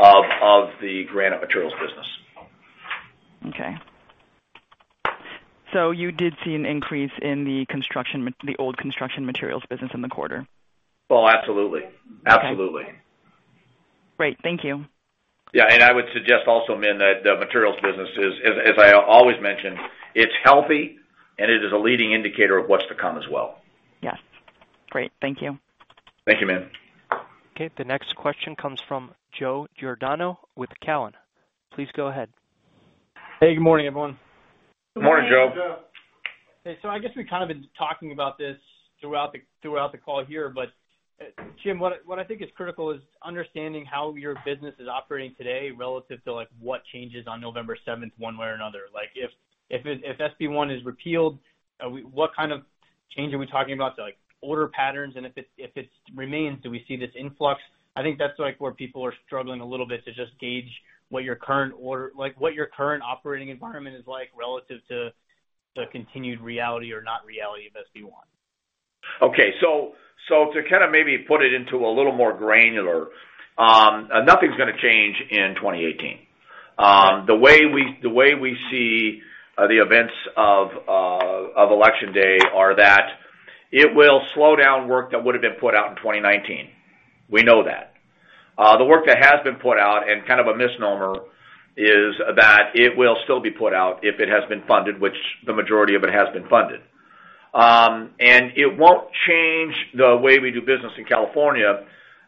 of the Granite materials business. Okay. So you did see an increase in the old construction materials business in the quarter? Oh, absolutely. Absolutely. Okay. Great. Thank you. Yeah. And I would suggest also, Min, that the materials business, as I always mention, it's healthy, and it is a leading indicator of what's to come as well. Yes. Great. Thank you. Thank you, Min. Okay. The next question comes from Joe Giordano with Cowen. Please go ahead. Hey. Good morning, everyone. Good morning, Joe. Hey. So I guess we've kind of been talking about this throughout the call here. But Jim, what I think is critical is understanding how your business is operating today relative to what changes on November 7th one way or another. If SB1 is repealed, what kind of change are we talking about? So order patterns. And if it remains, do we see this influx? I think that's where people are struggling a little bit to just gauge what your current operating environment is like relative to continued reality or not reality of SB1. Okay. So to kind of maybe put it into a little more granular, nothing's going to change in 2018. The way we see the events of election day are that it will slow down work that would have been put out in 2019. We know that. The work that has been put out and kind of a misnomer is that it will still be put out if it has been funded, which the majority of it has been funded. It won't change the way we do business in California.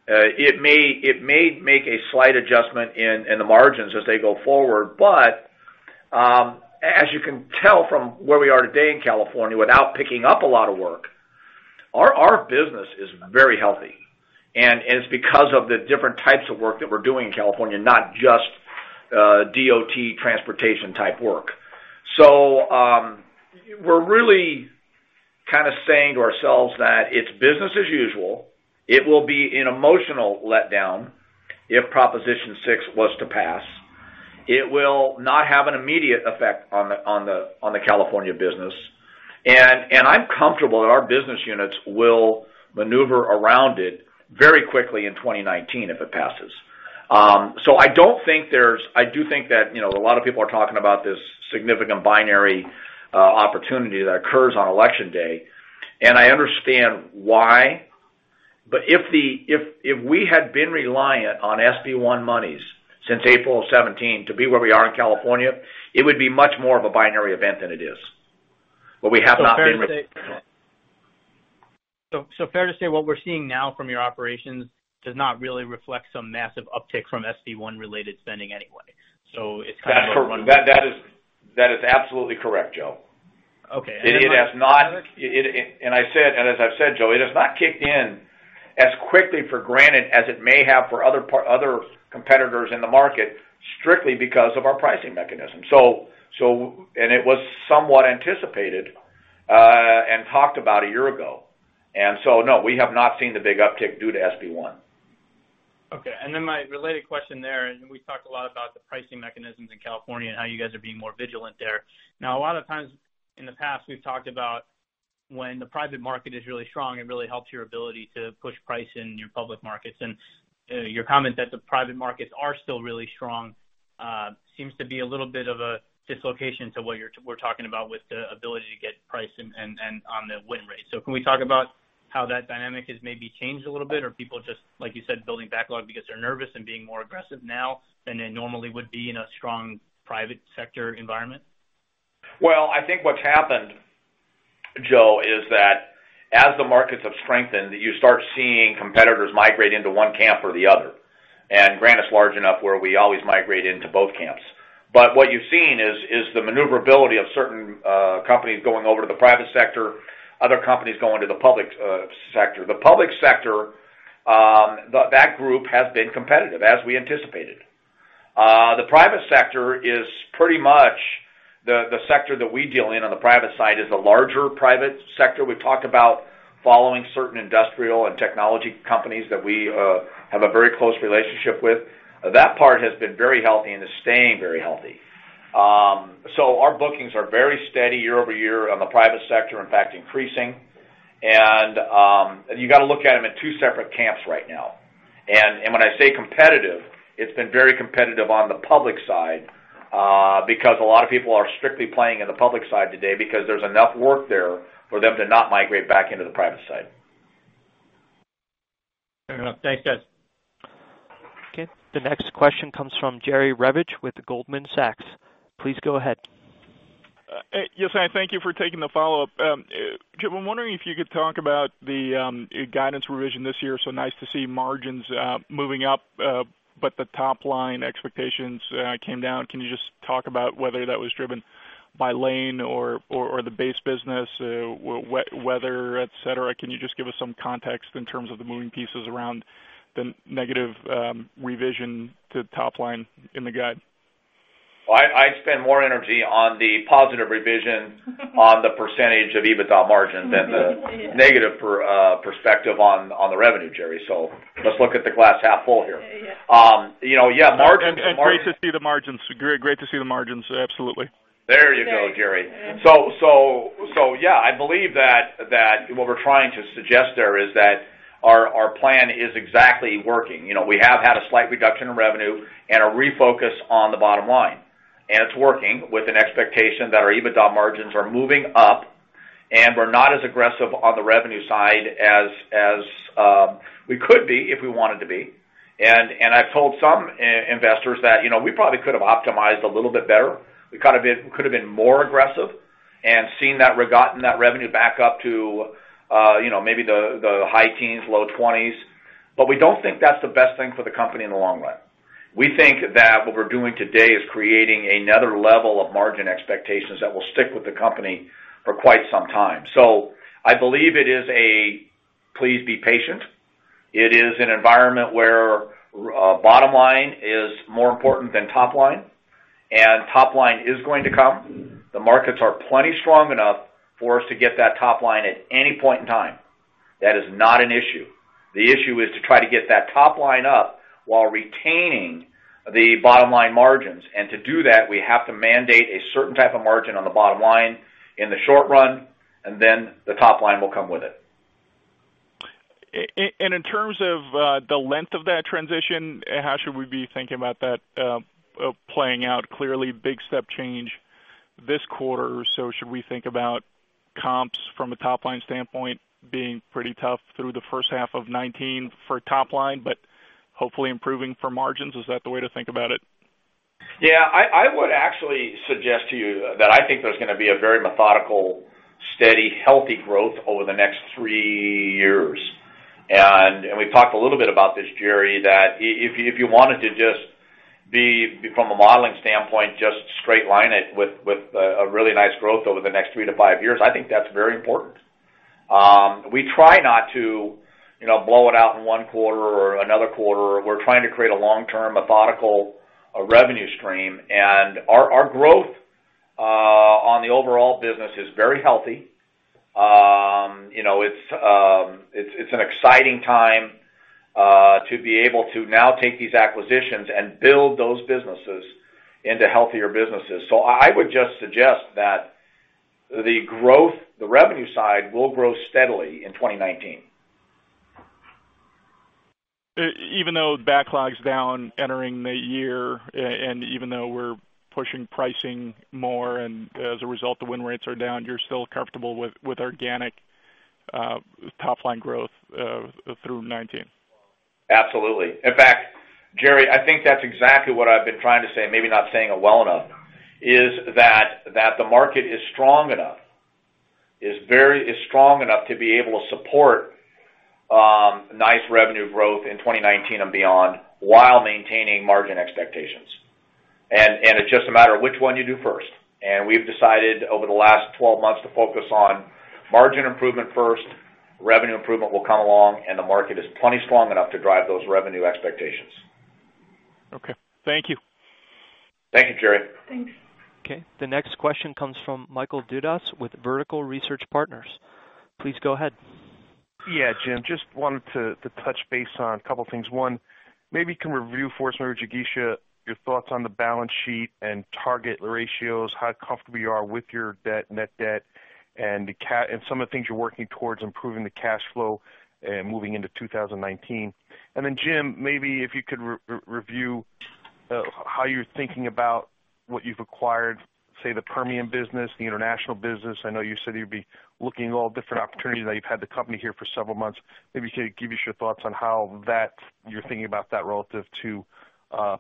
It may make a slight adjustment in the margins as they go forward. But as you can tell from where we are today in California, without picking up a lot of work, our business is very healthy. And it's because of the different types of work that we're doing in California, not just DOT transportation-type work. So we're really kind of saying to ourselves that it's business as usual. It will be an emotional letdown if Proposition 6 was to pass. It will not have an immediate effect on the California business. And I'm comfortable that our business units will maneuver around it very quickly in 2019 if it passes. So I do think that a lot of people are talking about this significant binary opportunity that occurs on election day. And I understand why. But if we had been reliant on SB1 monies since April of 2017 to be where we are in California, it would be much more of a binary event than it is. But we have not been reliant. So fair to say what we're seeing now from your operations does not really reflect some massive uptick from SB1-related spending anyway. So it's kind of a run-up. That is absolutely correct, Joe. Okay. And it has not, and as I've said, Joe, it has not kicked in as quickly for Granite as it may have for other competitors in the market strictly because of our pricing mechanism. And it was somewhat anticipated and talked about a year ago. And so no, we have not seen the big uptick due to SB1. Okay. And then my related question there, and we talked a lot about the pricing mechanisms in California and how you guys are being more vigilant there. Now, a lot of times in the past, we've talked about when the private market is really strong, it really helps your ability to push price in your public markets. And your comment that the private markets are still really strong seems to be a little bit of a dislocation to what we're talking about with the ability to get price on the win rate. So can we talk about how that dynamic has maybe changed a little bit? Or people just, like you said, building backlog because they're nervous and being more aggressive now than they normally would be in a strong private sector environment? Well, I think what's happened, Joe, is that as the markets have strengthened, you start seeing competitors migrate into one camp or the other. Granite's large enough where we always migrate into both camps. But what you've seen is the maneuverability of certain companies going over to the private sector, other companies going to the public sector. The public sector, that group has been competitive as we anticipated. The private sector is pretty much the sector that we deal in on the private side is a larger private sector. We've talked about following certain industrial and technology companies that we have a very close relationship with. That part has been very healthy and is staying very healthy. So our bookings are very steady year-over-year on the private sector, in fact, increasing. And you got to look at them in two separate camps right now. And when I say competitive, it's been very competitive on the public side because a lot of people are strictly playing in the public side today because there's enough work there for them to not migrate back into the private side. Fair enough. Thanks, guys. Okay. The next question comes from Jerry Revich with Goldman Sachs. Please go ahead. Yes, I thank you for taking the follow-up. Jim, I'm wondering if you could talk about the guidance revision this year. So nice to see margins moving up, but the top-line expectations came down. Can you just talk about whether that was driven by Lane or the base business, whether, etc.? Can you just give us some context in terms of the moving pieces around the negative revision to top-line in the guide? I spend more energy on the positive revision on the percentage of EBITDA margin than the negative perspective on the revenue, Jerry. So let's look at the glass half full here. Yeah. Margins And great to see the margins. Great to see the margins. Absolutely. There you go, Jerry. So yeah, I believe that what we're trying to suggest there is that our plan is exactly working. We have had a slight reduction in revenue and a refocus on the bottom line. And it's working with an expectation that our EBITDA margins are moving up. And we're not as aggressive on the revenue side as we could be if we wanted to be. And I've told some investors that we probably could have optimized a little bit better. We could have been more aggressive and seen that revenue back up to maybe the high teens, low 20s. But we don't think that's the best thing for the company in the long run. We think that what we're doing today is creating another level of margin expectations that will stick with the company for quite some time. So I believe it is a "please be patient." It is an environment where bottom line is more important than top line. And top line is going to come. The markets are plenty strong enough for us to get that top line at any point in time. That is not an issue. The issue is to try to get that top line up while retaining the bottom line margins. And to do that, we have to mandate a certain type of margin on the bottom line in the short run, and then the top line will come with it. In terms of the length of that transition, how should we be thinking about that playing out? Clearly, big step change this quarter. So should we think about comps from a top-line standpoint being pretty tough through the first half of 2019 for top line, but hopefully improving for margins? Is that the way to think about it? Yeah. I would actually suggest to you that I think there's going to be a very methodical, steady, healthy growth over the next three years. And we've talked a little bit about this, Jerry, that if you wanted to just be from a modeling standpoint, just straight line it with a really nice growth over the next three to five years, I think that's very important. We try not to blow it out in one quarter or another quarter. We're trying to create a long-term methodical revenue stream. Our growth on the overall business is very healthy. It's an exciting time to be able to now take these acquisitions and build those businesses into healthier businesses. So I would just suggest that the growth, the revenue side will grow steadily in 2019. Even though backlog's down entering the year, and even though we're pushing pricing more, and as a result, the win rates are down, you're still comfortable with organic top-line growth through 2019? Absolutely. In fact, Jerry, I think that's exactly what I've been trying to say, maybe not saying it well enough, is that the market is strong enough, is strong enough to be able to support nice revenue growth in 2019 and beyond while maintaining margin expectations. And it's just a matter of which one you do first. And we've decided over the last 12 months to focus on margin improvement first. Revenue improvement will come along, and the market is plenty strong enough to drive those revenue expectations. Okay. Thank you. Thank you, Jerry. Thanks. Okay. The next question comes from Michael Dudas with Vertical Research Partners. Please go ahead. Yeah, Jim. Just wanted to touch base on a couple of things. One, maybe you can review for us, Ms. Jigisha, your thoughts on the balance sheet and target ratios, how comfortable you are with your debt, net debt, and some of the things you're working towards improving the cash flow and moving into 2019. And then, Jim, maybe if you could review how you're thinking about what you've acquired, say, the Permian business, the international business. I know you said you'd be looking at all different opportunities now. You've had the company here for several months. Maybe you could give us your thoughts on how you're thinking about that relative to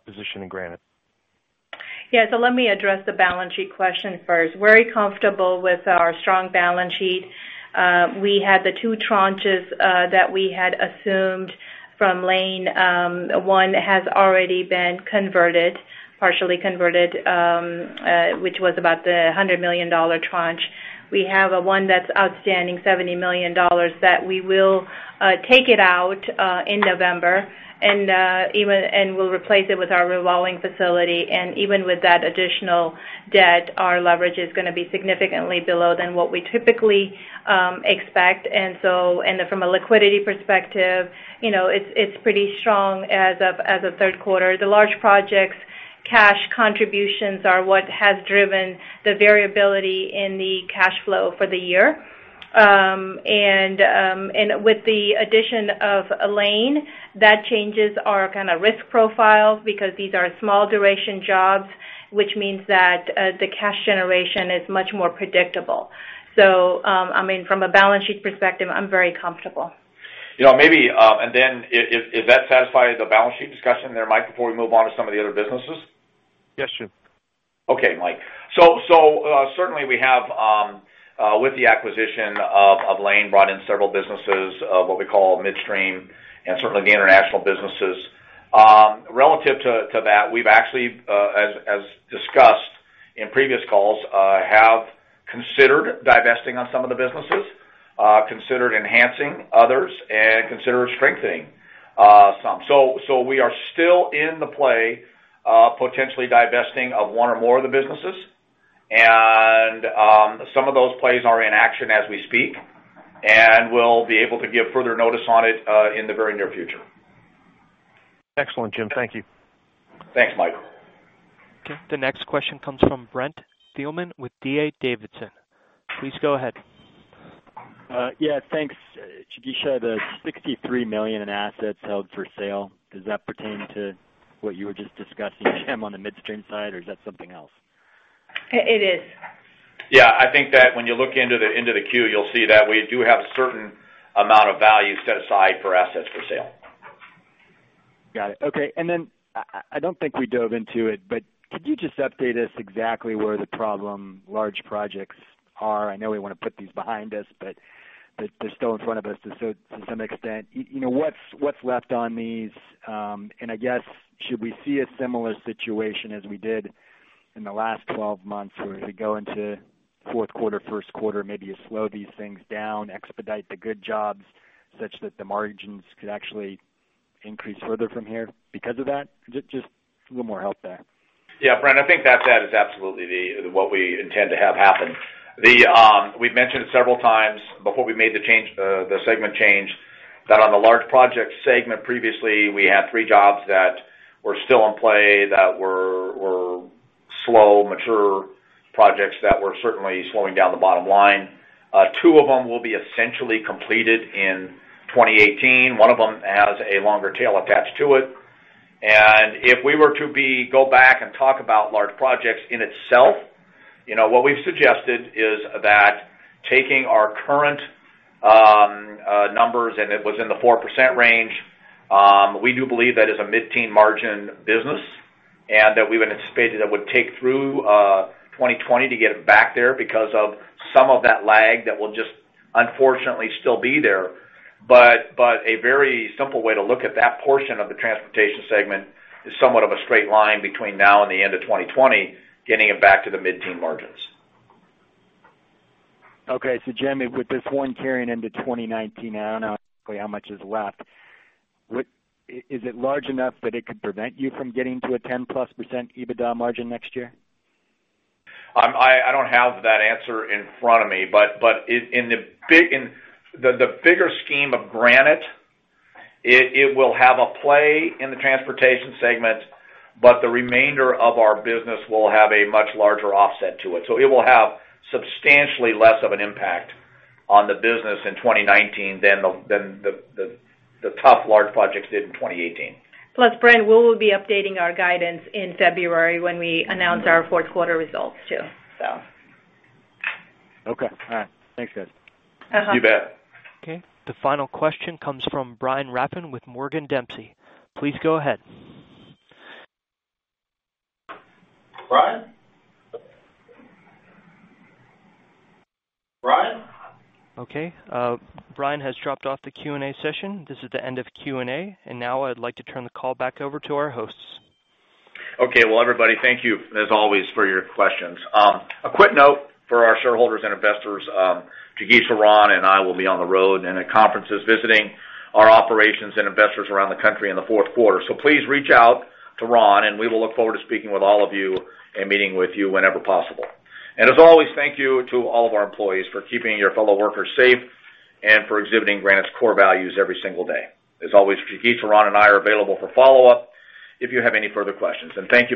position in Granite. Yeah. So let me address the balance sheet question first. Very comfortable with our strong balance sheet. We had the two tranches that we had assumed from Layne. One has already been converted, partially converted, which was about the $100 million tranche. We have one that's outstanding, $70 million, that we will take it out in November and will replace it with our revolving facility. And even with that additional debt, our leverage is going to be significantly below than what we typically expect. And from a liquidity perspective, it's pretty strong as of third quarter. The large projects' cash contributions are what has driven the variability in the cash flow for the year. And with the addition of Layne, that changes our kind of risk profile because these are small-duration jobs, which means that the cash generation is much more predictable. So I mean, from a balance sheet perspective, I'm very comfortable. Maybe. And then if that satisfies the balance sheet discussion there, Mike, before we move on to some of the other businesses? Yes, Jim. Okay, Mike. So certainly, we have, with the acquisition of Layne, brought in several businesses, what we call midstream, and certainly the international businesses. Relative to that, we've actually, as discussed in previous calls, have considered divesting on some of the businesses, considered enhancing others, and considered strengthening some. So we are still in the play of potentially divesting of one or more of the businesses. And some of those plays are in action as we speak. We'll be able to give further notice on it in the very near future. Excellent, Jim. Thank you. Thanks, Mike. Okay. The next question comes from Brent Thielman with D.A. Davidson. Please go ahead. Yeah. Thanks, Jigisha. The $63 million in assets held for sale, does that pertain to what you were just discussing, Jim, on the Midwest side, or is that something else? It is. Yeah. I think that when you look into the 10-Q, you'll see that we do have a certain amount of value set aside for assets for sale. Got it. Okay. And then I don't think we dove into it, but could you just update us exactly where the problematic large projects are? I know we want to put these behind us, but they're still in front of us to some extent. What's left on these? And I guess, should we see a similar situation as we did in the last 12 months where we go into fourth quarter, first quarter, maybe you slow these things down, expedite the good jobs such that the margins could actually increase further from here because of that? Just a little more help there. Yeah, Brent, I think that that is absolutely what we intend to have happen. We've mentioned it several times before we made the segment change that on the large project segment previously, we had three jobs that were still in play that were slow, mature projects that were certainly slowing down the bottom line. Two of them will be essentially completed in 2018. One of them has a longer tail attached to it. If we were to go back and talk about large projects in itself, what we've suggested is that taking our current numbers, and it was in the 4% range, we do believe that is a mid-teen margin business and that we would anticipate that it would take through 2020 to get it back there because of some of that lag that will just unfortunately still be there. A very simple way to look at that portion of the transportation segment is somewhat of a straight line between now and the end of 2020, getting it back to the mid-teen margins. Okay. So Jim, with this one carrying into 2019, I don't know exactly how much is left. Is it large enough that it could prevent you from getting to a 10%+ EBITDA margin next year? I don't have that answer in front of me. But in the bigger scheme of Granite, it will have a play in the transportation segment, but the remainder of our business will have a much larger offset to it. So it will have substantially less of an impact on the business in 2019 than the tough large projects did in 2018. Plus, Brent, we will be updating our guidance in February when we announce our fourth quarter results too, so. Okay. All right. Thanks, guys. You bet. Okay. The final question comes from Brian Rafn with Morgan Dempsey. Please go ahead. Brian? Brian? Okay. Brian has dropped off the Q&A session. This is the end of Q&A. And now I'd like to turn the call back over to our hosts. Okay. Well, everybody, thank you, as always, for your questions. A quick note for our shareholders and investors. Jigisha, Ron, and I will be on the road and at conferences visiting our operations and investors around the country in the fourth quarter. So please reach out to Ron, and we will look forward to speaking with all of you and meeting with you whenever possible. And as always, thank you to all of our employees for keeping your fellow workers safe and for exhibiting Granite's core values every single day. As always, Jigisha, Ron, and I are available for follow-up if you have any further questions. And thank you.